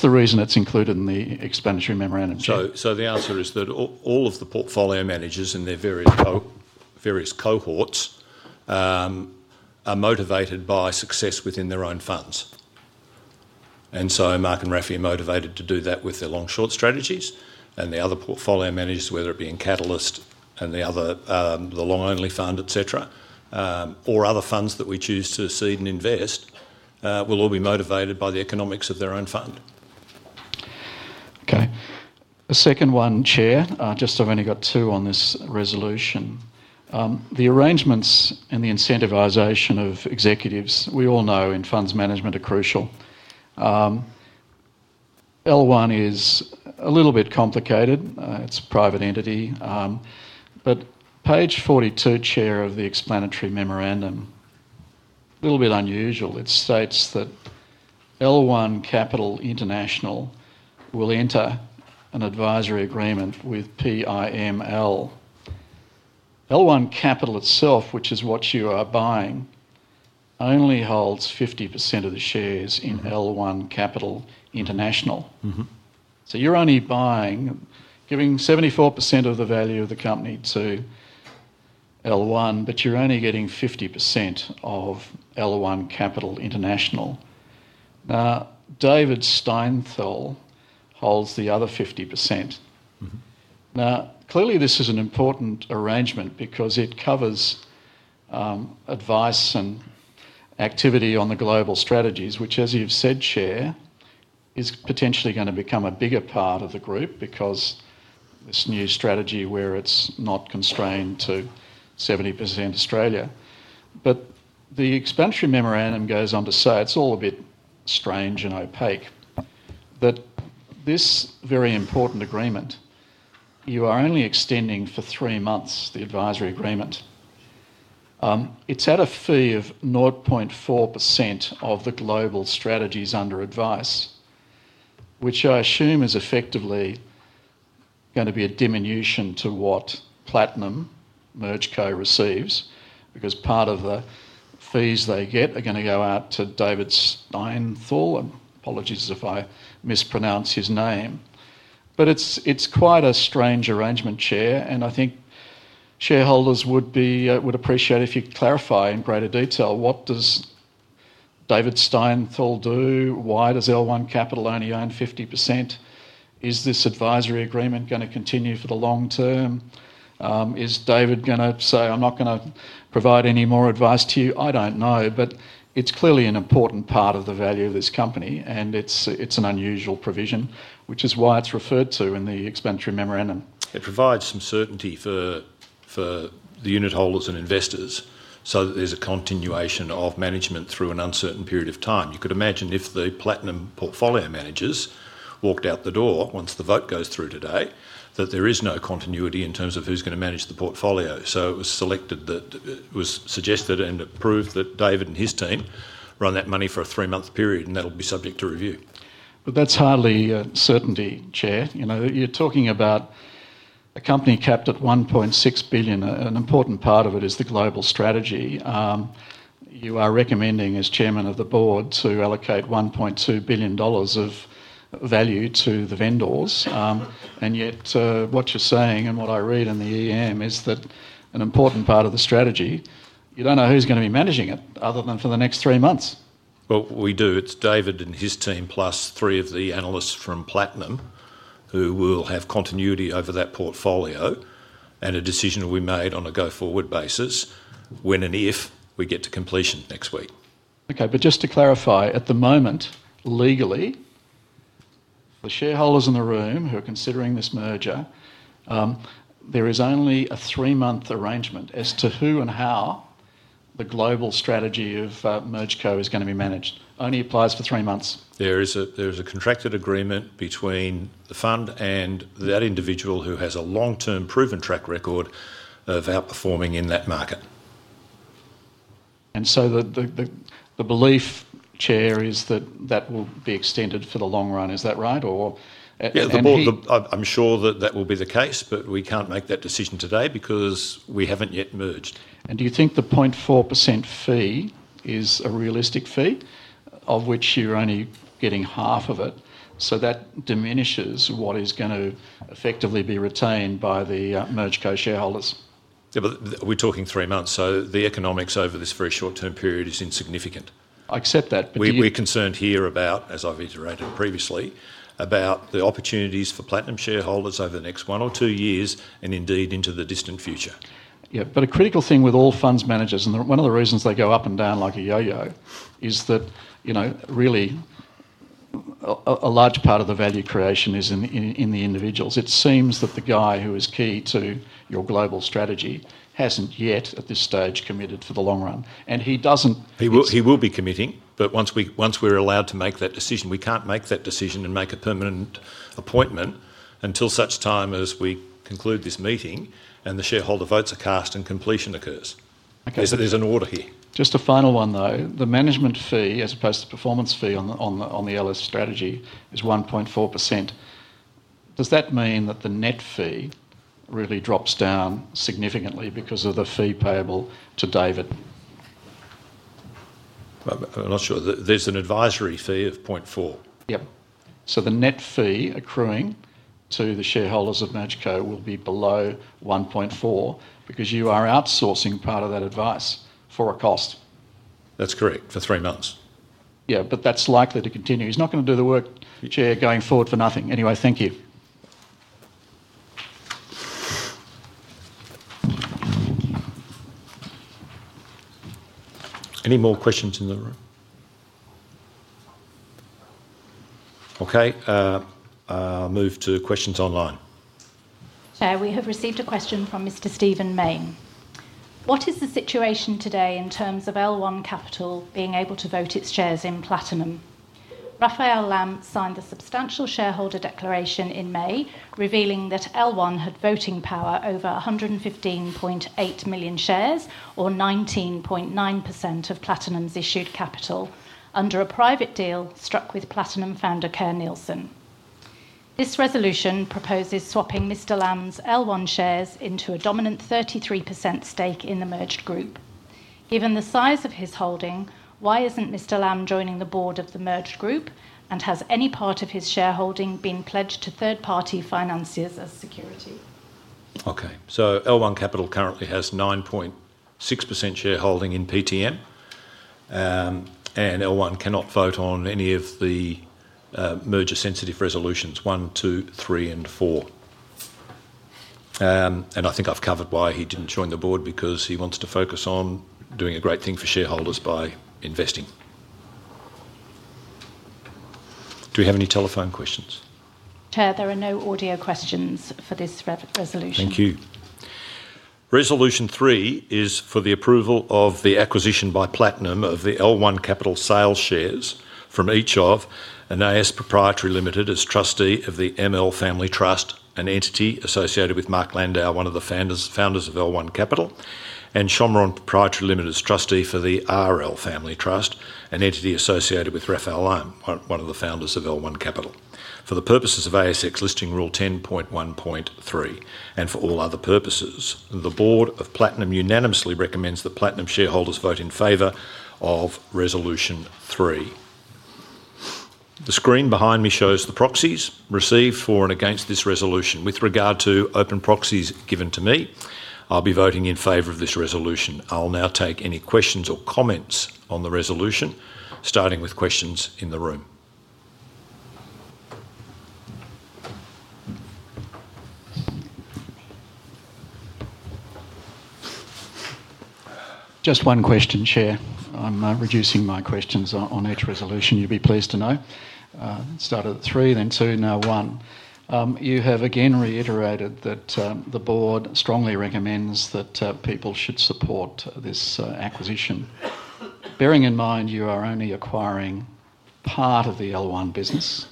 the reason it's included in the explanatory memorandum. The answer is that all of the portfolio managers in their various cohorts are motivated by success within their own funds. Mark and Rafi are motivated to do that with their long-short strategies, and the other portfolio managers, whether it be in Catalyst and the other, the long-only fund, etc., or other funds that we choose to seed and invest, will all be motivated by the economics of their own fund. Okay. A second one, Chair, just I've only got two on this resolution. The arrangements and the incentivization of executives, we all know in funds management are crucial. L1 is a little bit complicated. It's a private entity, but page 42, Chair, of the explanatory memorandum, a little bit unusual. It states that L1 Capital International will enter an advisory agreement with PAML. L1 Capital itself, which is what you are buying, only holds 50% of the shares in L1 Capital International. So you're only buying, giving 74% of the value of the company to L1, but you're only getting 50% of L1 Capital International. Now, David Steinthal holds the other 50%. Now, clearly, this is an important arrangement because it covers advice and activity on the global strategies, which, as you've said, Chair, is potentially going to become a bigger part of the group because this new strategy where it's not constrained to 70% Australia. The explanatory memorandum goes on to say it's all a bit strange and opaque, but this very important agreement, you are only extending for three months, the advisory agreement. It's at a fee of 0.4% of the global strategies under advice, which I assume is effectively going to be a diminution to what Platinum, MergeCo receives because part of the fees they get are going to go out to David Steinthal, and apologies if I mispronounce his name. It's quite a strange arrangement, Chair, and I think shareholders would appreciate if you clarify in greater detail what does David Steinthal do? Why does L1 Capital only own 50%? Is this advisory agreement going to continue for the long term? Is David going to say, "I'm not going to provide any more advice to you"? I don't know, but it's clearly an important part of the value of this company, and it's an unusual provision, which is why it's referred to in the explanatory memorandum. It provides some certainty for the unit holders and investors so that there's a continuation of management through an uncertain period of time. You could imagine if the Platinum portfolio managers walked out the door once the vote goes through today, that there is no continuity in terms of who's going to manage the portfolio. It was selected that it was suggested and approved that David and his team run that money for a three-month period, and that will be subject to review. That's hardly certainty, Chair. You know you're talking about a company capped at $1.6 billion. An important part of it is the global strategy. You are recommending as Chairman of the Board to allocate $1.2 billion of value to the vendors, and yet what you're saying and what I read in the EM is that an important part of the strategy, you don't know who's going to be managing it other than for the next three months. We do. It's David and his team plus three of the analysts from Platinum who will have continuity over that portfolio, and a decision will be made on a go-forward basis when and if we get to completion next week. Okay, just to clarify, at the moment, legally, the shareholders in the room who are considering this merger, there is only a three-month arrangement as to who and how the global strategy of MergeCo is going to be managed. Only applies for three months. There is a contracted agreement between the fund and that individual who has a long-term proven track record of outperforming in that market. The belief, Chair, is that that will be extended for the long run. Is that right? I'm sure that will be the case, but we can't make that decision today because we haven't yet merged. Do you think the 0.4% fee is a realistic fee of which you're only getting half of it? That diminishes what is going to effectively be retained by the MergeCo shareholders. Yeah, we're talking three months, so the economics over this very short-term period is insignificant. I accept that. We're concerned here about, as I've iterated previously, the opportunities for Platinum shareholders over the next one or two years and indeed into the distant future. Yeah, a critical thing with all funds managers, and one of the reasons they go up and down like a yo-yo, is that you know really a large part of the value creation is in the individuals. It seems that the guy who is key to your global strategy hasn't yet at this stage committed for the long run, and he doesn't. He will be committing, but once we're allowed to make that decision, we can't make that decision and make a permanent appointment until such time as we conclude this meeting and the shareholder votes are cast and completion occurs. There's an order here. Just a final one though, the management fee as opposed to the performance fee on the LS strategy is 1.4%. Does that mean that the net fee really drops down significantly because of the fee payable to David? I'm not sure. There's an advisory fee of 0.4%. Yep. The net fee accruing to the shareholders of MergeCo will be below 1.4% because you are outsourcing part of that advice for a cost. That's correct for three months. Yeah, that's likely to continue. He's not going to do the work, Chair, going forward for nothing. Anyway, thank you. Any more questions in the room? Okay, move to questions online. Chair, we have received a question from [Mr. Stephen Main]. What is the situation today in terms of L1 Capital being able to vote its shares in Platinum? Raphael Lamm signed the substantial shareholder declaration in May, revealing that L1 had voting power over 115.8 million shares, or 19.9% of Platinum's issued capital, under a private deal struck with Platinum founder Kerr Neilson. This resolution proposes swapping Mr. Lamm's L1 shares into a dominant 33% stake in the merged group. Given the size of his holding, why isn't Mr. Lamm joining the board of the merged group, and has any part of his shareholding been pledged to third-party financiers as security? Okay, so L1 Capital currently has 9.6% shareholding in PTM, and L1 cannot vote on any of the merger-sensitive resolutions, one, two, three, and four. I think I've covered why he didn't join the board because he wants to focus on doing a great thing for shareholders by investing. Do we have any telephone questions? Chair, there are no audio questions for this resolution. Thank you. Resolution three is for the approval of the acquisition by Platinum of the L1 Capital sale shares from each of Anais Proprietary Limited as trustee of the ML Family Trust, an entity associated with Mark Landau, one of the founders of L1 Capital, and Shamron Proprietary Limited as trustee for the RL Family Trust, an entity associated with Raphael Lamm, one of the founders of L1 Capital. For the purposes of ASX Listing Rule 10.1.3 and for all other purposes, the Board of Platinum unanimously recommends the Platinum shareholders vote in favor of Resolution three. The screen behind me shows the proxies received for and against this resolution. With regard to open proxies given to me, I'll be voting in favor of this resolution. I'll now take any questions or comments on the resolution, starting with questions in the room. Just one question, Chair. I'm reducing my questions on each resolution. You'd be pleased to know. Start at three, then two, now one. You have again reiterated that the Board strongly recommends that people should support this acquisition. Bearing in mind you are only acquiring part of the L1 business,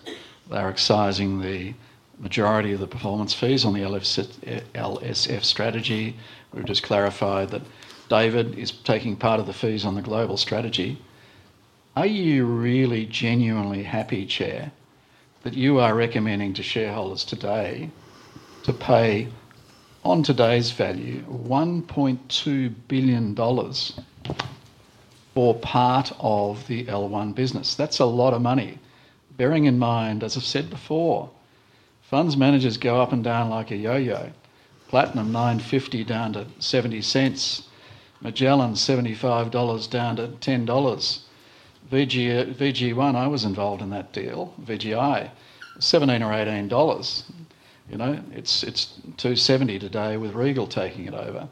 they're excising the majority of the performance fees on the LSF strategy. We've just clarified that David is taking part of the fees on the global strategy. Are you really genuinely happy, Chair, that you are recommending to shareholders today to pay, on today's value, $1.2 billion for part of the L1 business? That's a lot of money. Bearing in mind, as I've said before, funds managers go up and down like a yo-yo. Platinum $9.50 down to $0.70, Magellan $75 down to $10. VG1, I was involved in that deal, VGI, $17 or $18. You know, it's $2.70 today with Regal taking it over.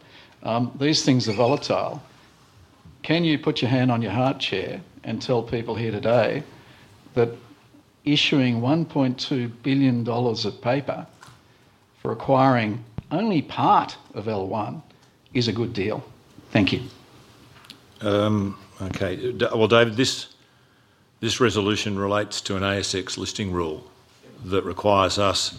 These things are volatile. Can you put your hand on your heart, Chair, and tell people here today that issuing $1.2 billion at paper for acquiring only part of L1 is a good deal? Thank you. Okay. David, this resolution relates to an ASX listing rule that requires us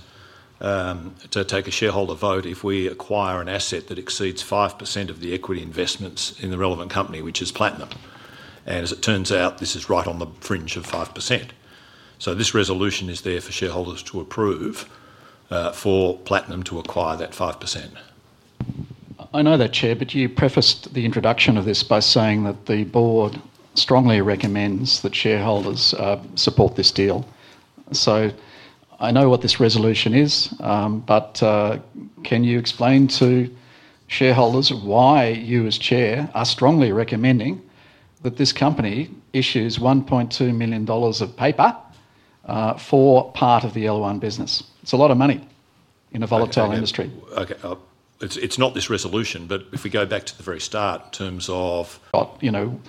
to take a shareholder vote if we acquire an asset that exceeds 5% of the equity investments in the relevant company, which is Platinum. As it turns out, this is right on the fringe of 5%. This resolution is there for shareholders to approve for Platinum to acquire that 5%. I know that, Chair, but you prefaced the introduction of this by saying that the Board strongly recommends that shareholders support this deal. I know what this resolution is, but can you explain to shareholders why you, as Chair, are strongly recommending that this company issues $1.2 million at paper for part of the L1 business? It's a lot of money in a volatile industry. Okay. It's not this resolution, but if we go back to the very start in terms of. You know,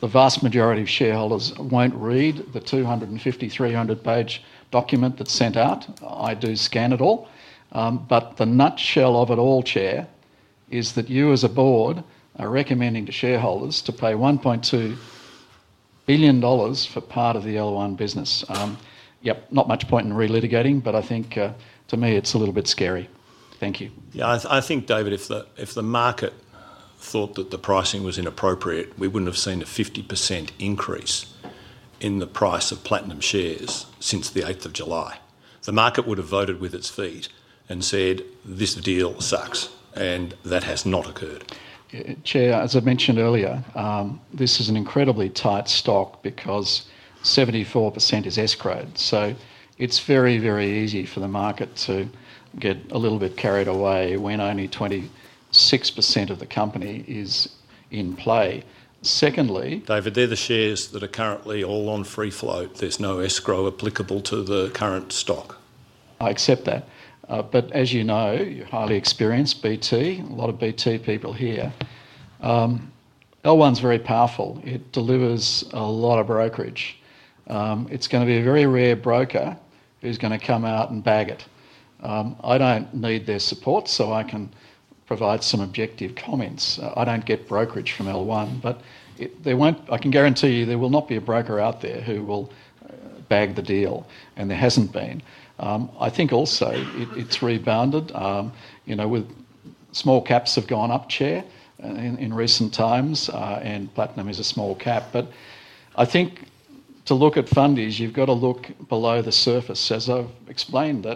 the vast majority of shareholders won't read the 250, 300-page document that's sent out. I do scan it all. The nutshell of it all, Chair, is that you, as a Board, are recommending to shareholders to pay $1.2 billion for part of the L1 business. Yep, not much point in relitigating, but I think to me it's a little bit scary. Thank you. Yeah, I think, David, if the market thought that the pricing was inappropriate, we wouldn't have seen a 50% increase in the price of Platinum shares since the 8th of July. The market would have voted with its feet and said, "This deal sucks," and that has not occurred. Chair, as I mentioned earlier, this is an incredibly tight stock because 74% is escrowed. It's very, very easy for the market to get a little bit carried away when only 26% of the company is in play. Secondly. David, are the shares that are currently all on free float, there's no escrow applicable to the current stock? I accept that. As you know, you're highly experienced BT, a lot of BT people here, L1's very powerful. It delivers a lot of brokerage. It's going to be a very rare broker who's going to come out and bag it. I don't need their support, so I can provide some objective comments. I don't get brokerage from L1, but I can guarantee you there will not be a broker out there who will bag the deal, and there hasn't been. I think also it's rebounded. You know, small caps have gone up, Chair, in recent times, and Platinum is a small cap. I think to look at fundies, you've got to look below the surface. As I've explained,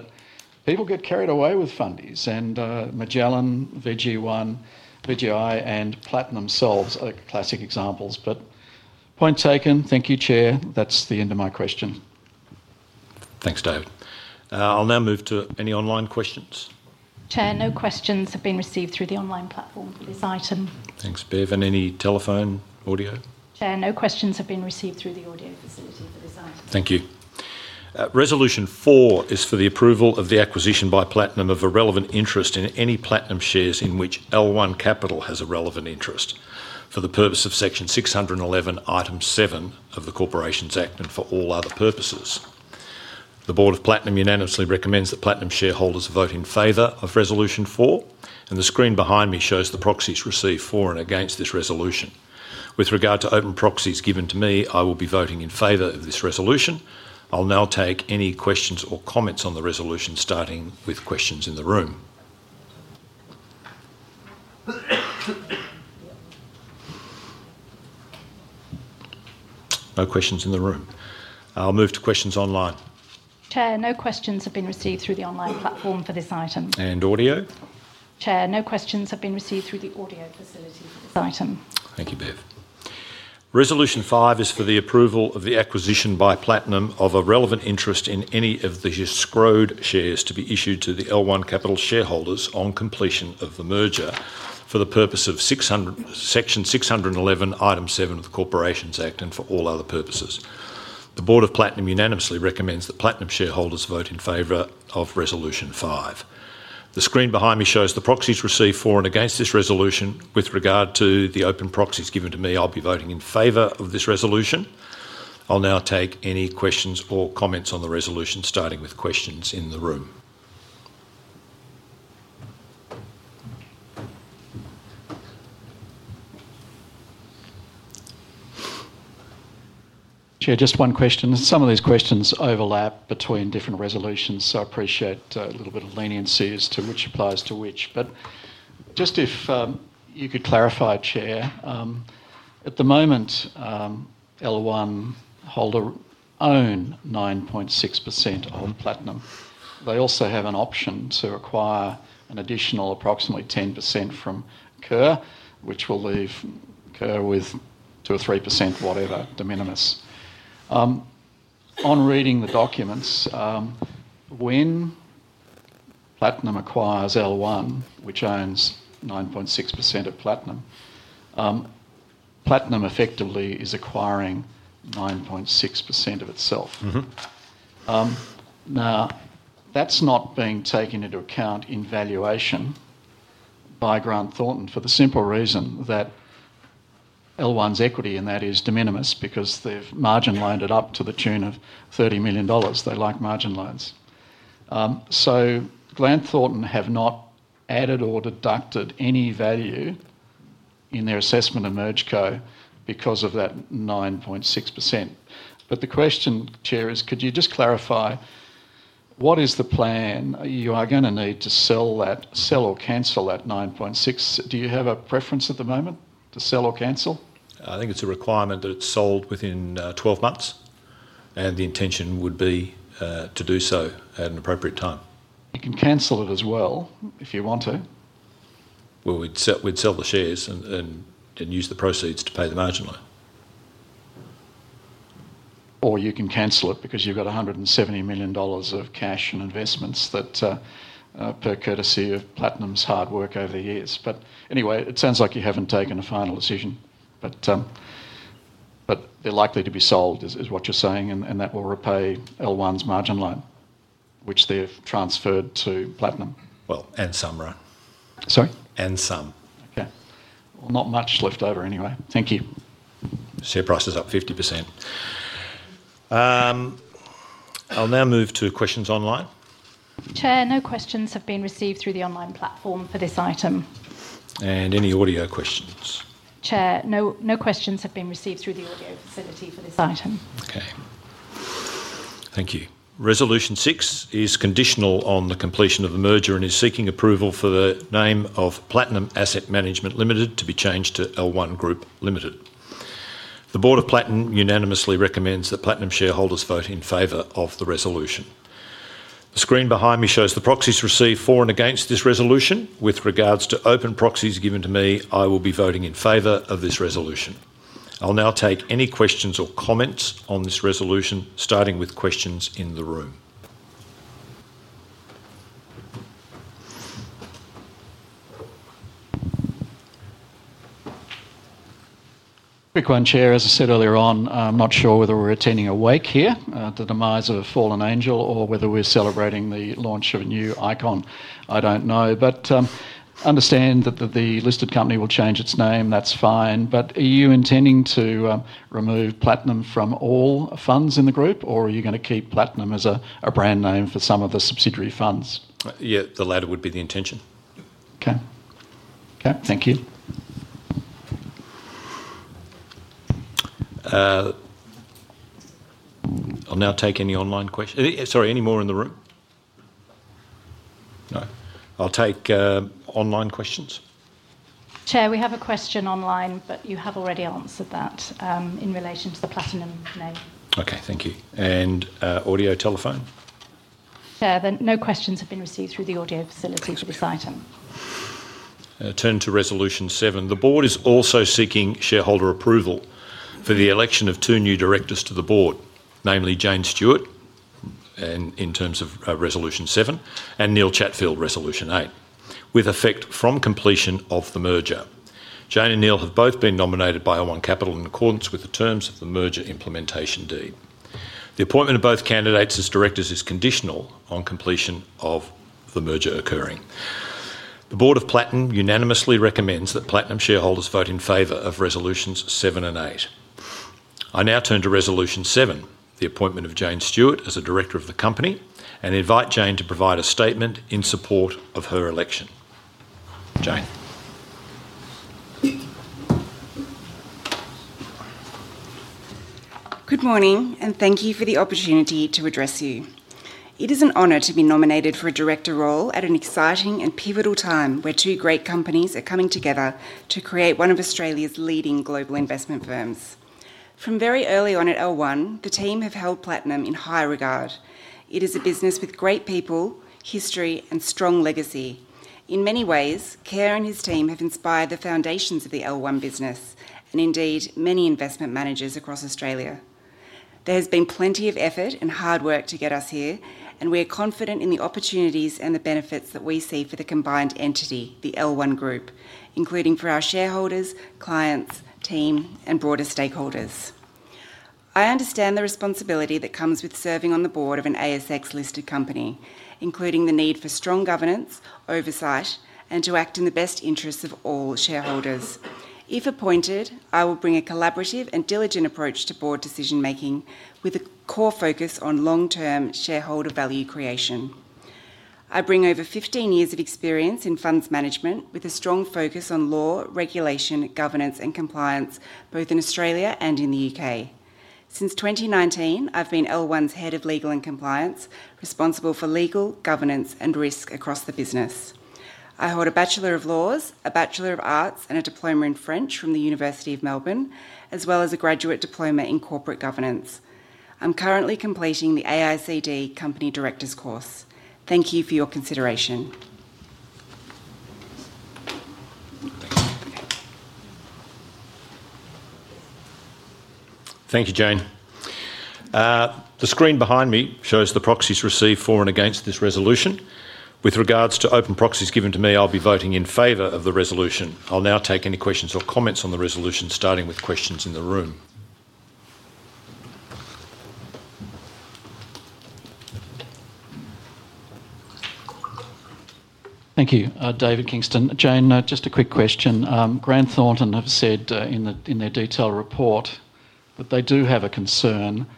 people get carried away with fundies, and Magellan, VG1, VGI, and Platinum selves are the classic examples. Point taken, thank you, Chair. That's the end of my question. Thanks, David. I'll now move to any online questions. Chair, no questions have been received through the online platform for this item. Thanks, Bev. Any telephone audio? Chair, no questions have been received through the audio facility for this item. Thank you. Resolution four is for the approval of the acquisition by Platinum of a relevant interest in any Platinum shares in which L1 Capital has a relevant interest for the purpose of section 611, item seven of the Corporations Act and for all other purposes. The Board of Platinum unanimously recommends that Platinum shareholders vote in favor of Resolution four, and the screen behind me shows the proxies received for and against this resolution. With regard to open proxies given to me, I will be voting in favor of this resolution. I'll now take any questions or comments on the resolution, starting with questions in the room. No questions in the room. I'll move to questions online. Chair, no questions have been received through the online platform for this item. And audio? Chair, no questions have been received through the audio facility for this item. Thank you, Bev. Resolution five is for the approval of the acquisition by Platinum of a relevant interest in any of the descrowed shares to be issued to the L1 Capital shareholders on completion of the merger for the purpose of section 611, item 7 of the Corporations Act and for all other purposes. The Board of Platinum unanimously recommends that Platinum shareholders vote in favor of Resolution five. The screen behind me shows the proxies received for and against this resolution. With regard to the open proxies given to me, I'll be voting in favor of this resolution. I'll now take any questions or comments on the resolution, starting with questions in the room. Chair, just one question. Some of these questions overlap between different resolutions, so I appreciate a little bit of leniency as to which applies to which. If you could clarify, Chair, at the moment, L1 holders own 9.6% of Platinum. They also have an option to acquire an additional approximately 10% from Kerr, which will leave Kerr with 2% or 3%, whatever, de minimis. On reading the documents, when Platinum acquires L1, which owns 9.6% of Platinum, Platinum effectively is acquiring 9.6% of itself. That's not being taken into account in valuation by Grant Thornton for the simple reason that L1's equity in that is de minimis because they've margin loaned it up to the tune of $30 million. They like margin loans. Grant Thornton have not added or deducted any value in their assessment of MergeCo because of that 9.6%. The question, Chair, is could you just clarify what is the plan? You are going to need to sell that, sell or cancel that 9.6%. Do you have a preference at the moment to sell or cancel? I think it's a requirement that it's sold within 12 months, and the intention would be to do so at an appropriate time. You can cancel it as well if you want to. We'd sell the shares and use the proceeds to pay the margin loan. You can cancel it because you've got $170 million of cash and investments that are per courtesy of Platinum's hard work over the years. Anyway, it sounds like you haven't taken a final decision, but they're likely to be sold, is what you're saying, and that will repay L1's margin loan, which they've transferred to Platinum. Some, right? Sorry? Some. Okay. Not much left over anyway. Thank you. Share price is up 50%. I'll now move to questions online. Chair, no questions have been received through the online platform for this item. Any audio questions? Chair, no questions have been received through the audio facility for this item. Okay. Thank you. Resolution six is conditional on the completion of the merger and is seeking approval for the name of Platinum Asset Management Limited to be changed to L1 Group Limited. The Board of Platinum unanimously recommends that Platinum shareholders vote in favor of the resolution. The screen behind me shows the proxies received for and against this resolution. With regards to open proxies given to me, I will be voting in favor of this resolution. I'll now take any questions or comments on this resolution, starting with questions in the room. Quick one, Chair. As I said earlier on, I'm not sure whether we're attending a wake here, the demise of a fallen angel, or whether we're celebrating the launch of a new icon. I don't know, but I understand that the listed company will change its name. That's fine. Are you intending to remove Platinum from all funds in the group, or are you going to keep Platinum as a brand name for some of the subsidiary funds? Yeah, the latter would be the intention. Okay, thank you. I'll now take any online questions. Sorry, any more in the room? No? I'll take online questions. Chair, we have a question online, but you have already answered that in relation to the Platinum name. Okay, thank you. Audio telephone? Chair, no questions have been received through the audio facility for this item. Turn to Resolution seven. The Board is also seeking shareholder approval for the election of two new Directors to the Board, namely Jane Stewart in terms of Resolution seven and Neil Chatfield, Resolution eight, with effect from completion of the merger. Jane and Neil have both been nominated by L1 Capital in accordance with the terms of the merger implementation deed. The appointment of both candidates as Directors is conditional on completion of the merger occurring. The Board of Platinum unanimously recommends that Platinum shareholders vote in favor of Resolutions seven and eight. I now turn to Resolution seven, the appointment of Jane Stewart as a Director of the company, and invite Jane to provide a statement in support of her election. Jane. Good morning, and thank you for the opportunity to address you. It is an honor to be nominated for a Director role at an exciting and pivotal time where two great companies are coming together to create one of Australia's leading global investment firms. From very early on at L1, the team have held Platinum in high regard. It is a business with great people, history, and strong legacy. In many ways, Kerr and his team have inspired the foundations of the L1 business, and indeed, many investment managers across Australia. There's been plenty of effort and hard work to get us here, and we are confident in the opportunities and the benefits that we see for the combined entity, the L1 Group, including for our shareholders, clients, team, and broader stakeholders. I understand the responsibility that comes with serving on the board of an ASX listed company, including the need for strong governance, oversight, and to act in the best interests of all shareholders. If appointed, I will bring a collaborative and diligent approach to board decision-making with a core focus on long-term shareholder value creation. I bring over 15 years of experience in funds management with a strong focus on law, regulation, governance, and compliance, both in Australia and in the U.K. Since 2019, I've been L1's Head of Legal and Compliance, responsible for legal, governance, and risk across the business. I hold a Bachelor of Laws, a Bachelor of Arts, and a Diploma in French from the University of Melbourne, as well as a Graduate Diploma in Corporate Governance. I'm currently completing the AICD Company Directors course. Thank you for your consideration. Thank you, Jane. The screen behind me shows the proxies received for and against this resolution. With regards to open proxies given to me, I'll be voting in favor of the resolution. I'll now take any questions or comments on the resolution, starting with questions in the room. Thank you, David Kingston. Jane, just a quick question. Grant Thornton have said in their detailed report that they do have a concern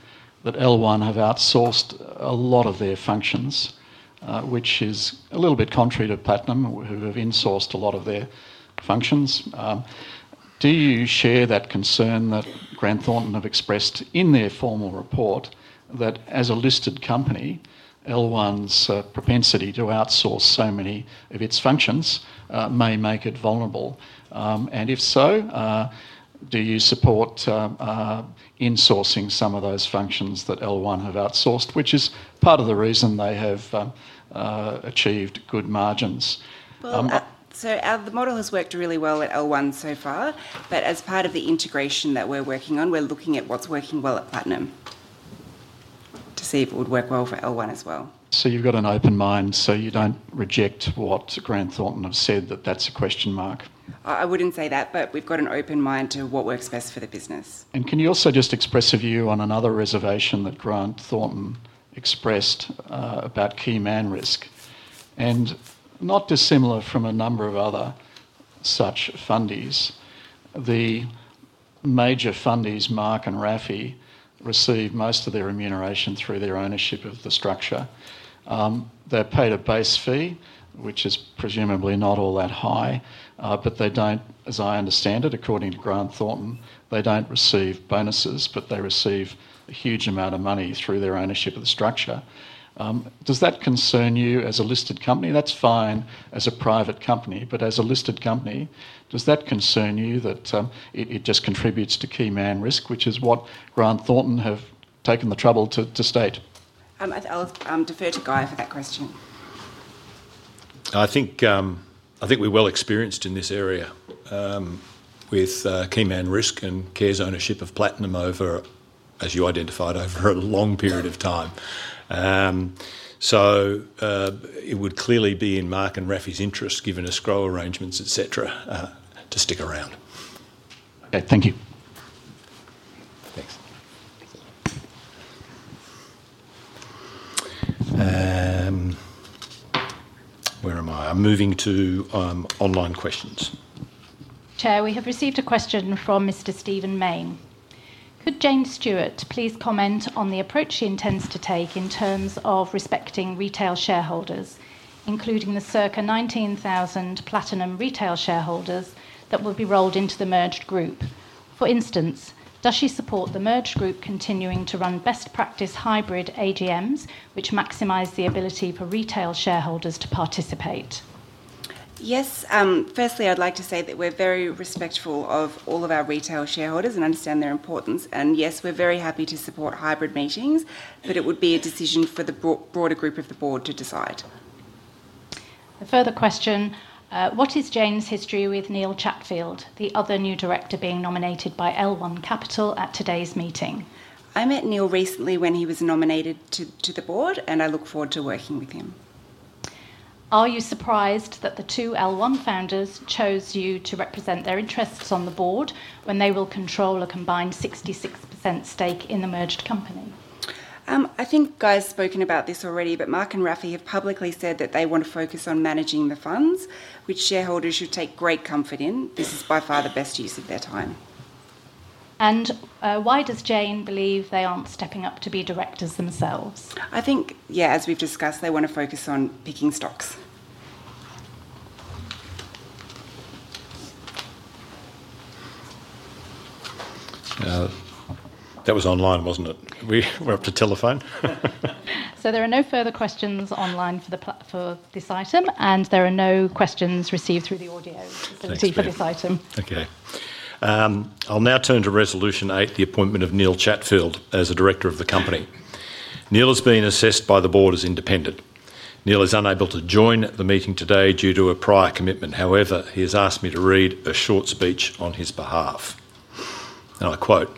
that L1 have outsourced a lot of their functions, which is a little bit contrary to Platinum, who have insourced a lot of their functions. Do you share that concern that Grant Thornton have expressed in their formal report that as a listed company, L1's propensity to outsource so many of its functions may make it vulnerable? If so, do you support insourcing some of those functions that L1 have outsourced, which is part of the reason they have achieved good margins? The model has worked really well at L1 so far, but as part of the integration that we're working on, we're looking at what's working well at Platinum to see if it would work well for L1 as well. You've got an open mind, so you don't reject what Grant Thornton have said, that that's a question mark. I wouldn't say that, but we've got an open mind to what works best for the business. Can you also just express a view on another reservation that Grant Thornton expressed about key man risk? Not dissimilar from a number of other such fundies, the major fundies, Mark and Rafi, receive most of their remuneration through their ownership of the structure. They're paid a base fee, which is presumably not all that high, but they don't, as I understand it, according to Grant Thornton, they don't receive bonuses, but they receive a huge amount of money through their ownership of the structure. Does that concern you as a listed company? That's fine as a private company, but as a listed company, does that concern you that. Just contributes to key man risk, which is what Grant Thornton have taken the trouble to state. I'll defer to Guy for that question. I think we're well experienced in this area with key man risk and Kerr's ownership of Platinum over, as you identified, over a long period of time. It would clearly be in Mark and Rafi's interest, given the scroll arrangements, etc., to stick around. Okay, thank you. Where am I? I'm moving to online questions. Chair, we have received a question from [Mr. Stephen Main]. Could Jane Stewart please comment on the approach she intends to take in terms of respecting retail shareholders, including the circa 19,000 Platinum retail shareholders that will be rolled into the merged group? For instance, does she support the merged group continuing to run best practice hybrid AGMs, which maximize the ability for retail shareholders to participate? Yes, firstly, I'd like to say that we're very respectful of all of our retail shareholders and understand their importance. Yes, we're very happy to support hybrid meetings, but it would be a decision for the broader group of the Board to decide. A further question. What is Jane's history with Neil Chatfield, the other new director being nominated by L1 Capital at today's meeting? I met Neil recently when he was nominated to the board, and I look forward to working with him. Are you surprised that the two L1 founders chose you to represent their interests on the board when they will control a combined 66% stake in the merged company? I think Guy's spoken about this already, but Mark and Rafi have publicly said that they want to focus on managing the funds, which shareholders should take great comfort in. This is by far the best use of their time. Why does Jane believe they aren't stepping up to be directors themselves? I think, as we've discussed, they want to focus on picking stocks. That was online, wasn't it? We're up to telephone. There are no further questions online for this item, and there are no questions received through the audio for this item. Okay. I'll now turn to Resolution 8, the appointment of Neil Chatfield as a Director of the company. Neil has been assessed by the Board as independent. Neil is unable to join the meeting today due to a prior commitment. However, he has asked me to read a short speech on his behalf. I quote,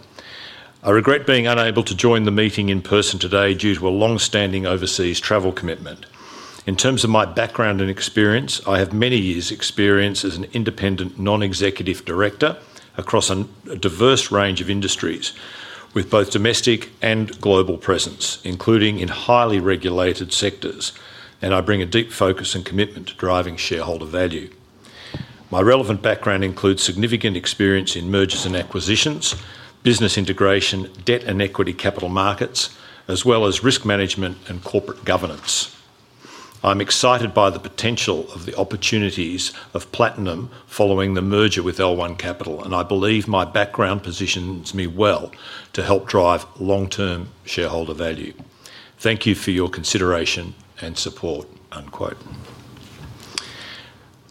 "I regret being unable to join the meeting in person today due to a longstanding overseas travel commitment. In terms of my background and experience, I have many years' experience as an independent Non-Executive Director across a diverse range of industries with both domestic and global presence, including in highly regulated sectors, and I bring a deep focus and commitment to driving shareholder value. My relevant background includes significant experience in mergers and acquisitions, business integration, debt and equity capital markets, as well as risk management and corporate governance. I'm excited by the potential of the opportunities of Platinum following the merger with L1 Capital, and I believe my background positions me well to help drive long-term shareholder value. Thank you for your consideration and support."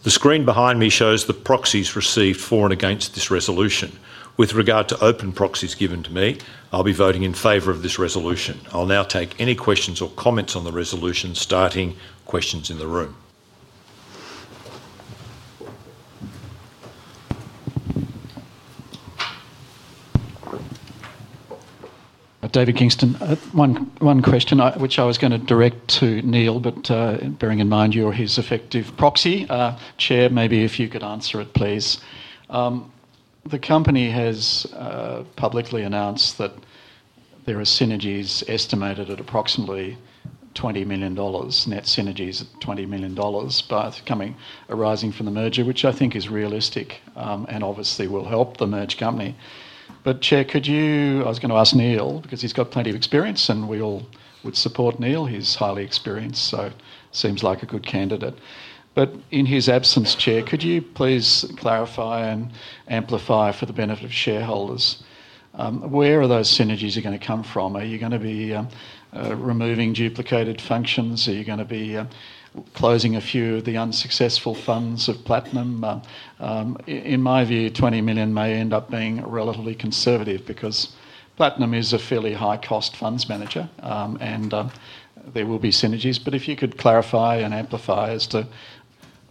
The screen behind me shows the proxies received for and against this resolution. With regard to open proxies given to me, I'll be voting in favor of this resolution. I'll now take any questions or comments on the resolution, starting questions in the room. David Kingston, one question, which I was going to direct to Neil, but bearing in mind you're his effective proxy. Chair, maybe if you could answer it, please. The company has publicly announced that there are synergies estimated at approximately $20 million, net synergies at $20 million, both arising from the merger, which I think is realistic and obviously will help the merged company. Chair, could you, I was going to ask Neil because he's got plenty of experience and we all would support Neil. He's highly experienced, so it seems like a good candidate. In his absence, Chair, could you please clarify and amplify for the benefit of shareholders where those synergies are going to come from? Are you going to be removing duplicated functions? Are you going to be closing a few of the unsuccessful funds of Platinum? In my view, $20 million may end up being relatively conservative because Platinum is a fairly high-cost funds manager and there will be synergies. If you could clarify and amplify as to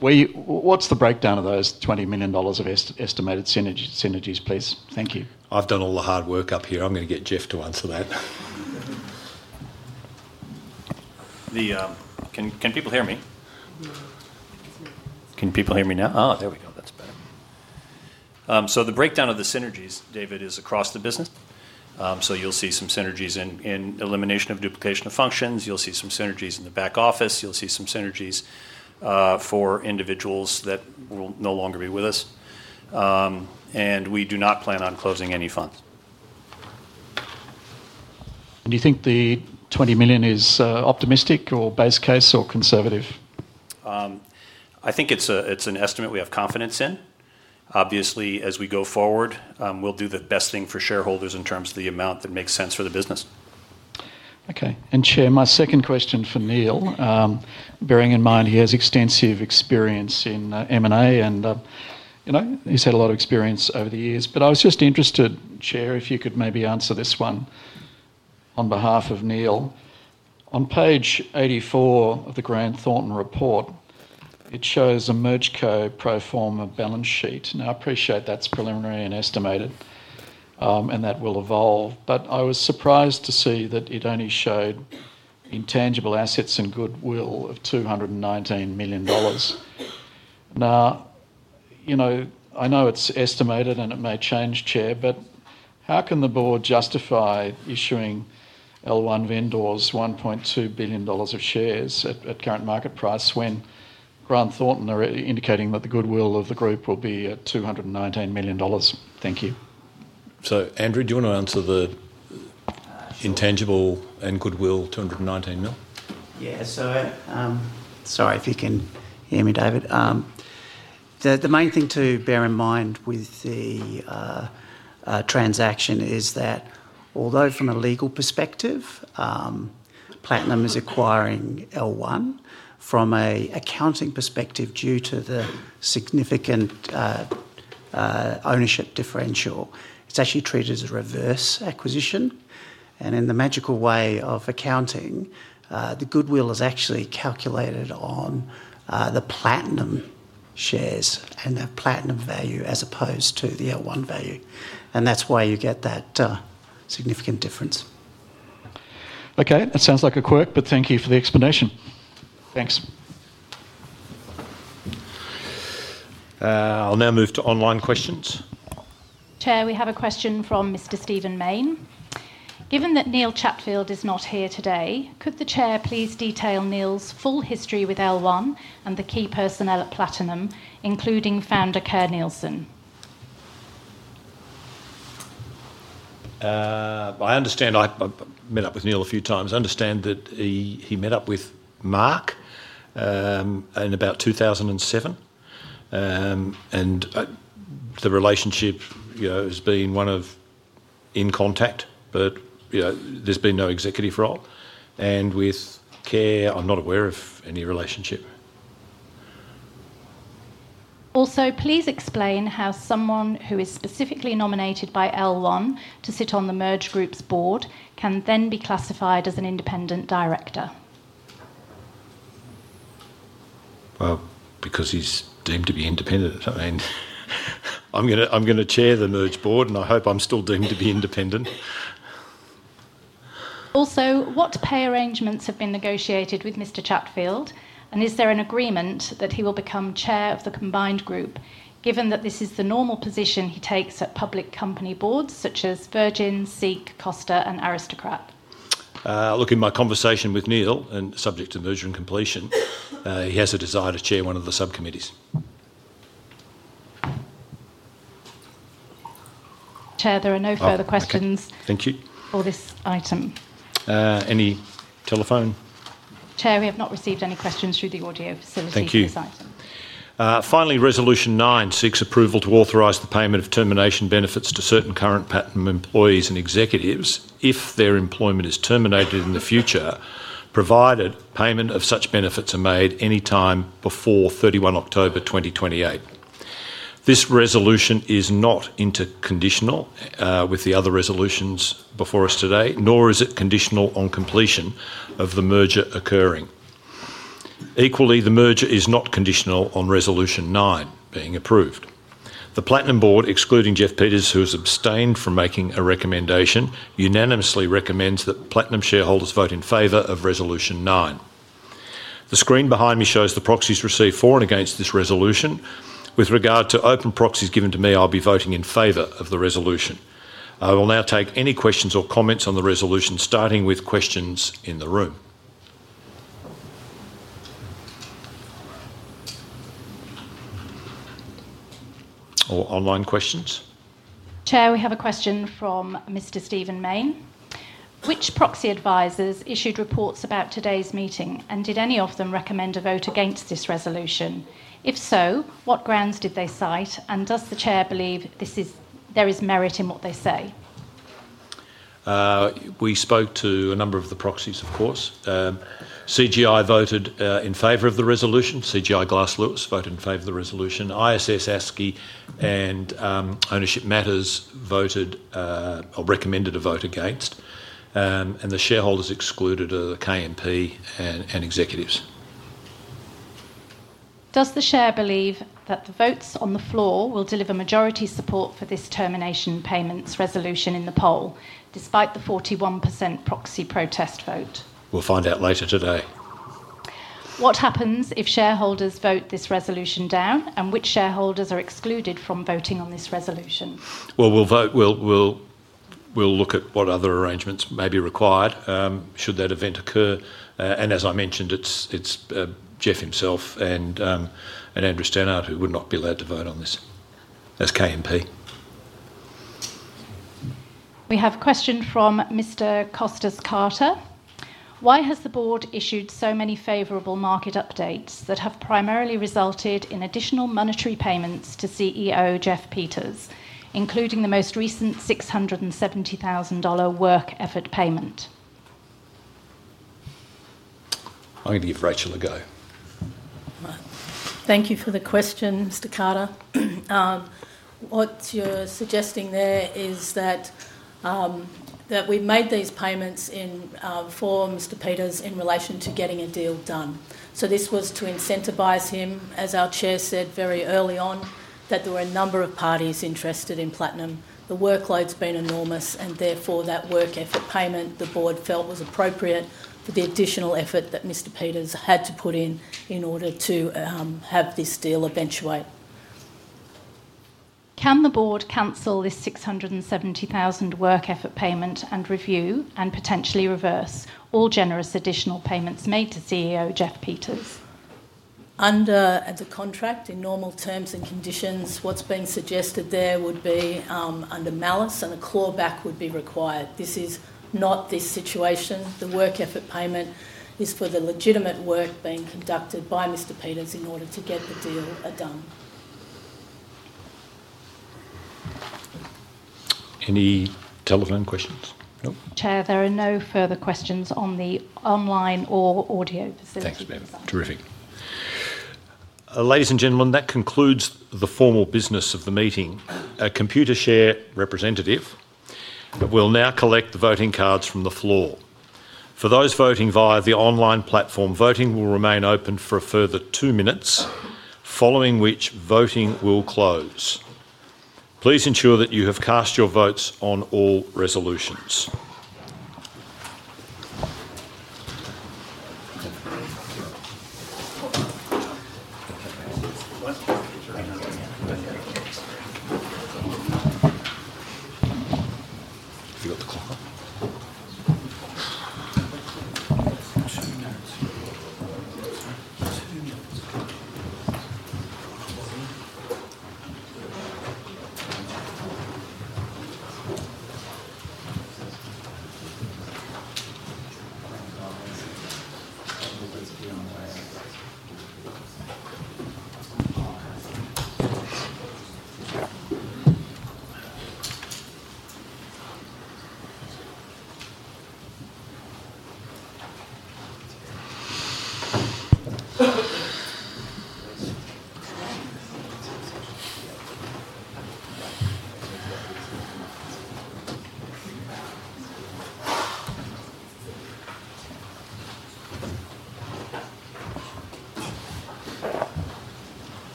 what's the breakdown of those $20 million of estimated synergies, please. Thank you. I've done all the hard work up here. I'm going to get Jeff to answer that. Can people hear me? Can people hear me now? There we go. That's better. The breakdown of the synergies, David, is across the business. You'll see some synergies in elimination of duplication of functions. You'll see some synergies in the back office. You'll see some synergies for individuals that will no longer be with us. We do not plan on closing any funds. Do you think the $20 million is optimistic or base case or conservative? I think it's an estimate we have confidence in. Obviously, as we go forward, we'll do the best thing for shareholders in terms of the amount that makes sense for the business. Okay. Chair, my second question for Neil, bearing in mind he has extensive experience in M&A and he's had a lot of experience over the years, I was just interested, Chair, if you could maybe answer this one on behalf of Neil. On page 84 of the Grant Thornton report, it shows a MergeCo pro forma balance sheet. I appreciate that's preliminary and estimated and that will evolve, but I was surprised to see that it only showed intangible assets and goodwill of $219 million. I know it's estimated and it may change, Chair, but how can the board justify issuing L1 vendors $1.2 billion of shares at current market price when Grant Thornton are indicating that the goodwill of the group will be at $219 million? Thank you. Andrew, do you want to answer the intangible and goodwill $219 million? Sorry if you can hear me, David. The main thing to bear in mind with the transaction is that although from a legal perspective, Platinum is acquiring L1, from an accounting perspective due to the significant ownership differential, it's actually treated as a reverse acquisition. In the magical way of accounting, the goodwill is actually calculated on the Platinum shares and the Platinum value as opposed to the L1 value. That's why you get that significant difference. Okay, that sounds like a quirk, but thank you for the explanation. Thanks. I'll now move to online questions. Chair, we have a question from [Mr. Stephen Main]. Given that Neil Chatfield is not here today, could the Chair please detail Neil's full history with L1 and the key personnel at Platinum, including founder Kerr Neilson? I understand I met up with Neil a few times. I understand that he met up with Mark in about 2007. The relationship has been one of in contact, but there's been no executive role. With Kerr, I'm not aware of any relationship. Also, please explain how someone who is specifically nominated by L1 to sit on the merged group's board can then be classified as an independent director. Because he's deemed to be independent. I mean, I'm going to chair the merged board and I hope I'm still deemed to be independent. Also, what pay arrangements have been negotiated with Mr. Chatfield? Is there an agreement that he will become Chair of the combined group, given that this is the normal position he takes at public company boards such as Virgin, Seek, Costa, and Aristocrat? Looking at my conversation with Neil and subject to merger and completion, he has a desire to chair one of the subcommittees. Chair, there are no further questions. Thank you. For this item. Any telephone? Chair, we have not received any questions through the audio facility. Thank you. Finally, Resolution 9 seeks approval to authorize the payment of termination benefits to certain current Platinum employees and executives if their employment is terminated in the future, provided payment of such benefits are made anytime before 31 October 2028. This resolution is not interconditional with the other resolutions before us today, nor is it conditional on completion of the merger occurring. Equally, the merger is not conditional on Resolution 9 being approved. The Platinum Board, excluding Jeff Peters, who has abstained from making a recommendation, unanimously recommends that Platinum shareholders vote in favor of Resolution 9. The screen behind me shows the proxies received for and against this resolution. With regard to open proxies given to me, I'll be voting in favor of the resolution. I will now take any questions or comments on the resolution, starting with questions in the room. All online questions? Chair, we have a question from [Mr. Stephen Main]. Which proxy advisors issued reports about today's meeting? Did any of them recommend a vote against this resolution? If so, what grounds did they cite? Does the Chair believe there is merit in what they say? We spoke to a number of the proxies, of course. CGI voted in favor of the resolution. CGI Glass Lewis voted in favor of the resolution. ISS, ASCI, and Ownership Matters voted or recommended a vote against. The shareholders excluded are KMP and executives. Does the Chair believe that the votes on the floor will deliver majority support for this termination payments resolution in the poll, despite the 41% proxy protest vote? We'll find out later today. What happens if shareholders vote this resolution down, and which shareholders are excluded from voting on this resolution? We will look at what other arrangements may be required should that event occur. As I mentioned, it's Jeff himself and Andrew Stannard who would not be allowed to vote on this as KMP. We have a question from [Mr. Kostas Carter]. Why has the Board issued so many favorable market updates that have primarily resulted in additional monetary payments to CEO Jeff Peters, including the most recent $670,000 work effort payment? I leave Rachel a go. Thank you for the question, Mr. Carter. What you're suggesting there is that we've made these payments for Mr. Peters in relation to getting a deal done. This was to incentivize him, as our Chair said very early on, that there were a number of parties interested in Platinum. The workload's been enormous, and therefore that work effort payment the Board felt was appropriate for the additional effort that Mr. Peters had to put in in order to have this deal eventuate. Can the board cancel this $670,000 work effort payment and review and potentially reverse all generous additional payments made to CEO Jeff Peters? Under the contract, in normal terms and conditions, what's being suggested there would be under malice, and a claw back would be required. This is not this situation. The work effort payment is for the legitimate work being conducted by Mr. Peters in order to get the deal done. Any telephone questions? Chair, there are no further questions on the online or audio facility. Thanks, ma'am. Terrific. Ladies and gentlemen, that concludes the formal business of the meeting. A Computershare representative will now collect the voting cards from the floor. For those voting via the online platform, voting will remain open for a further two minutes, following which voting will close. Please ensure that you have cast your votes on all resolutions.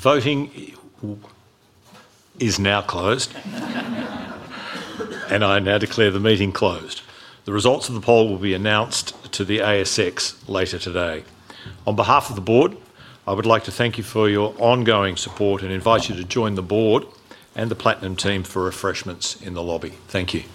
[I forgot the clock]. Where should we manage? Voting is now closed. I now declare the meeting closed. The results of the poll will be announced to the ASX later today. On behalf of the board, I would like to thank you for your ongoing support and invite you to join the board and the Platinum team for refreshments in the lobby. Thank you.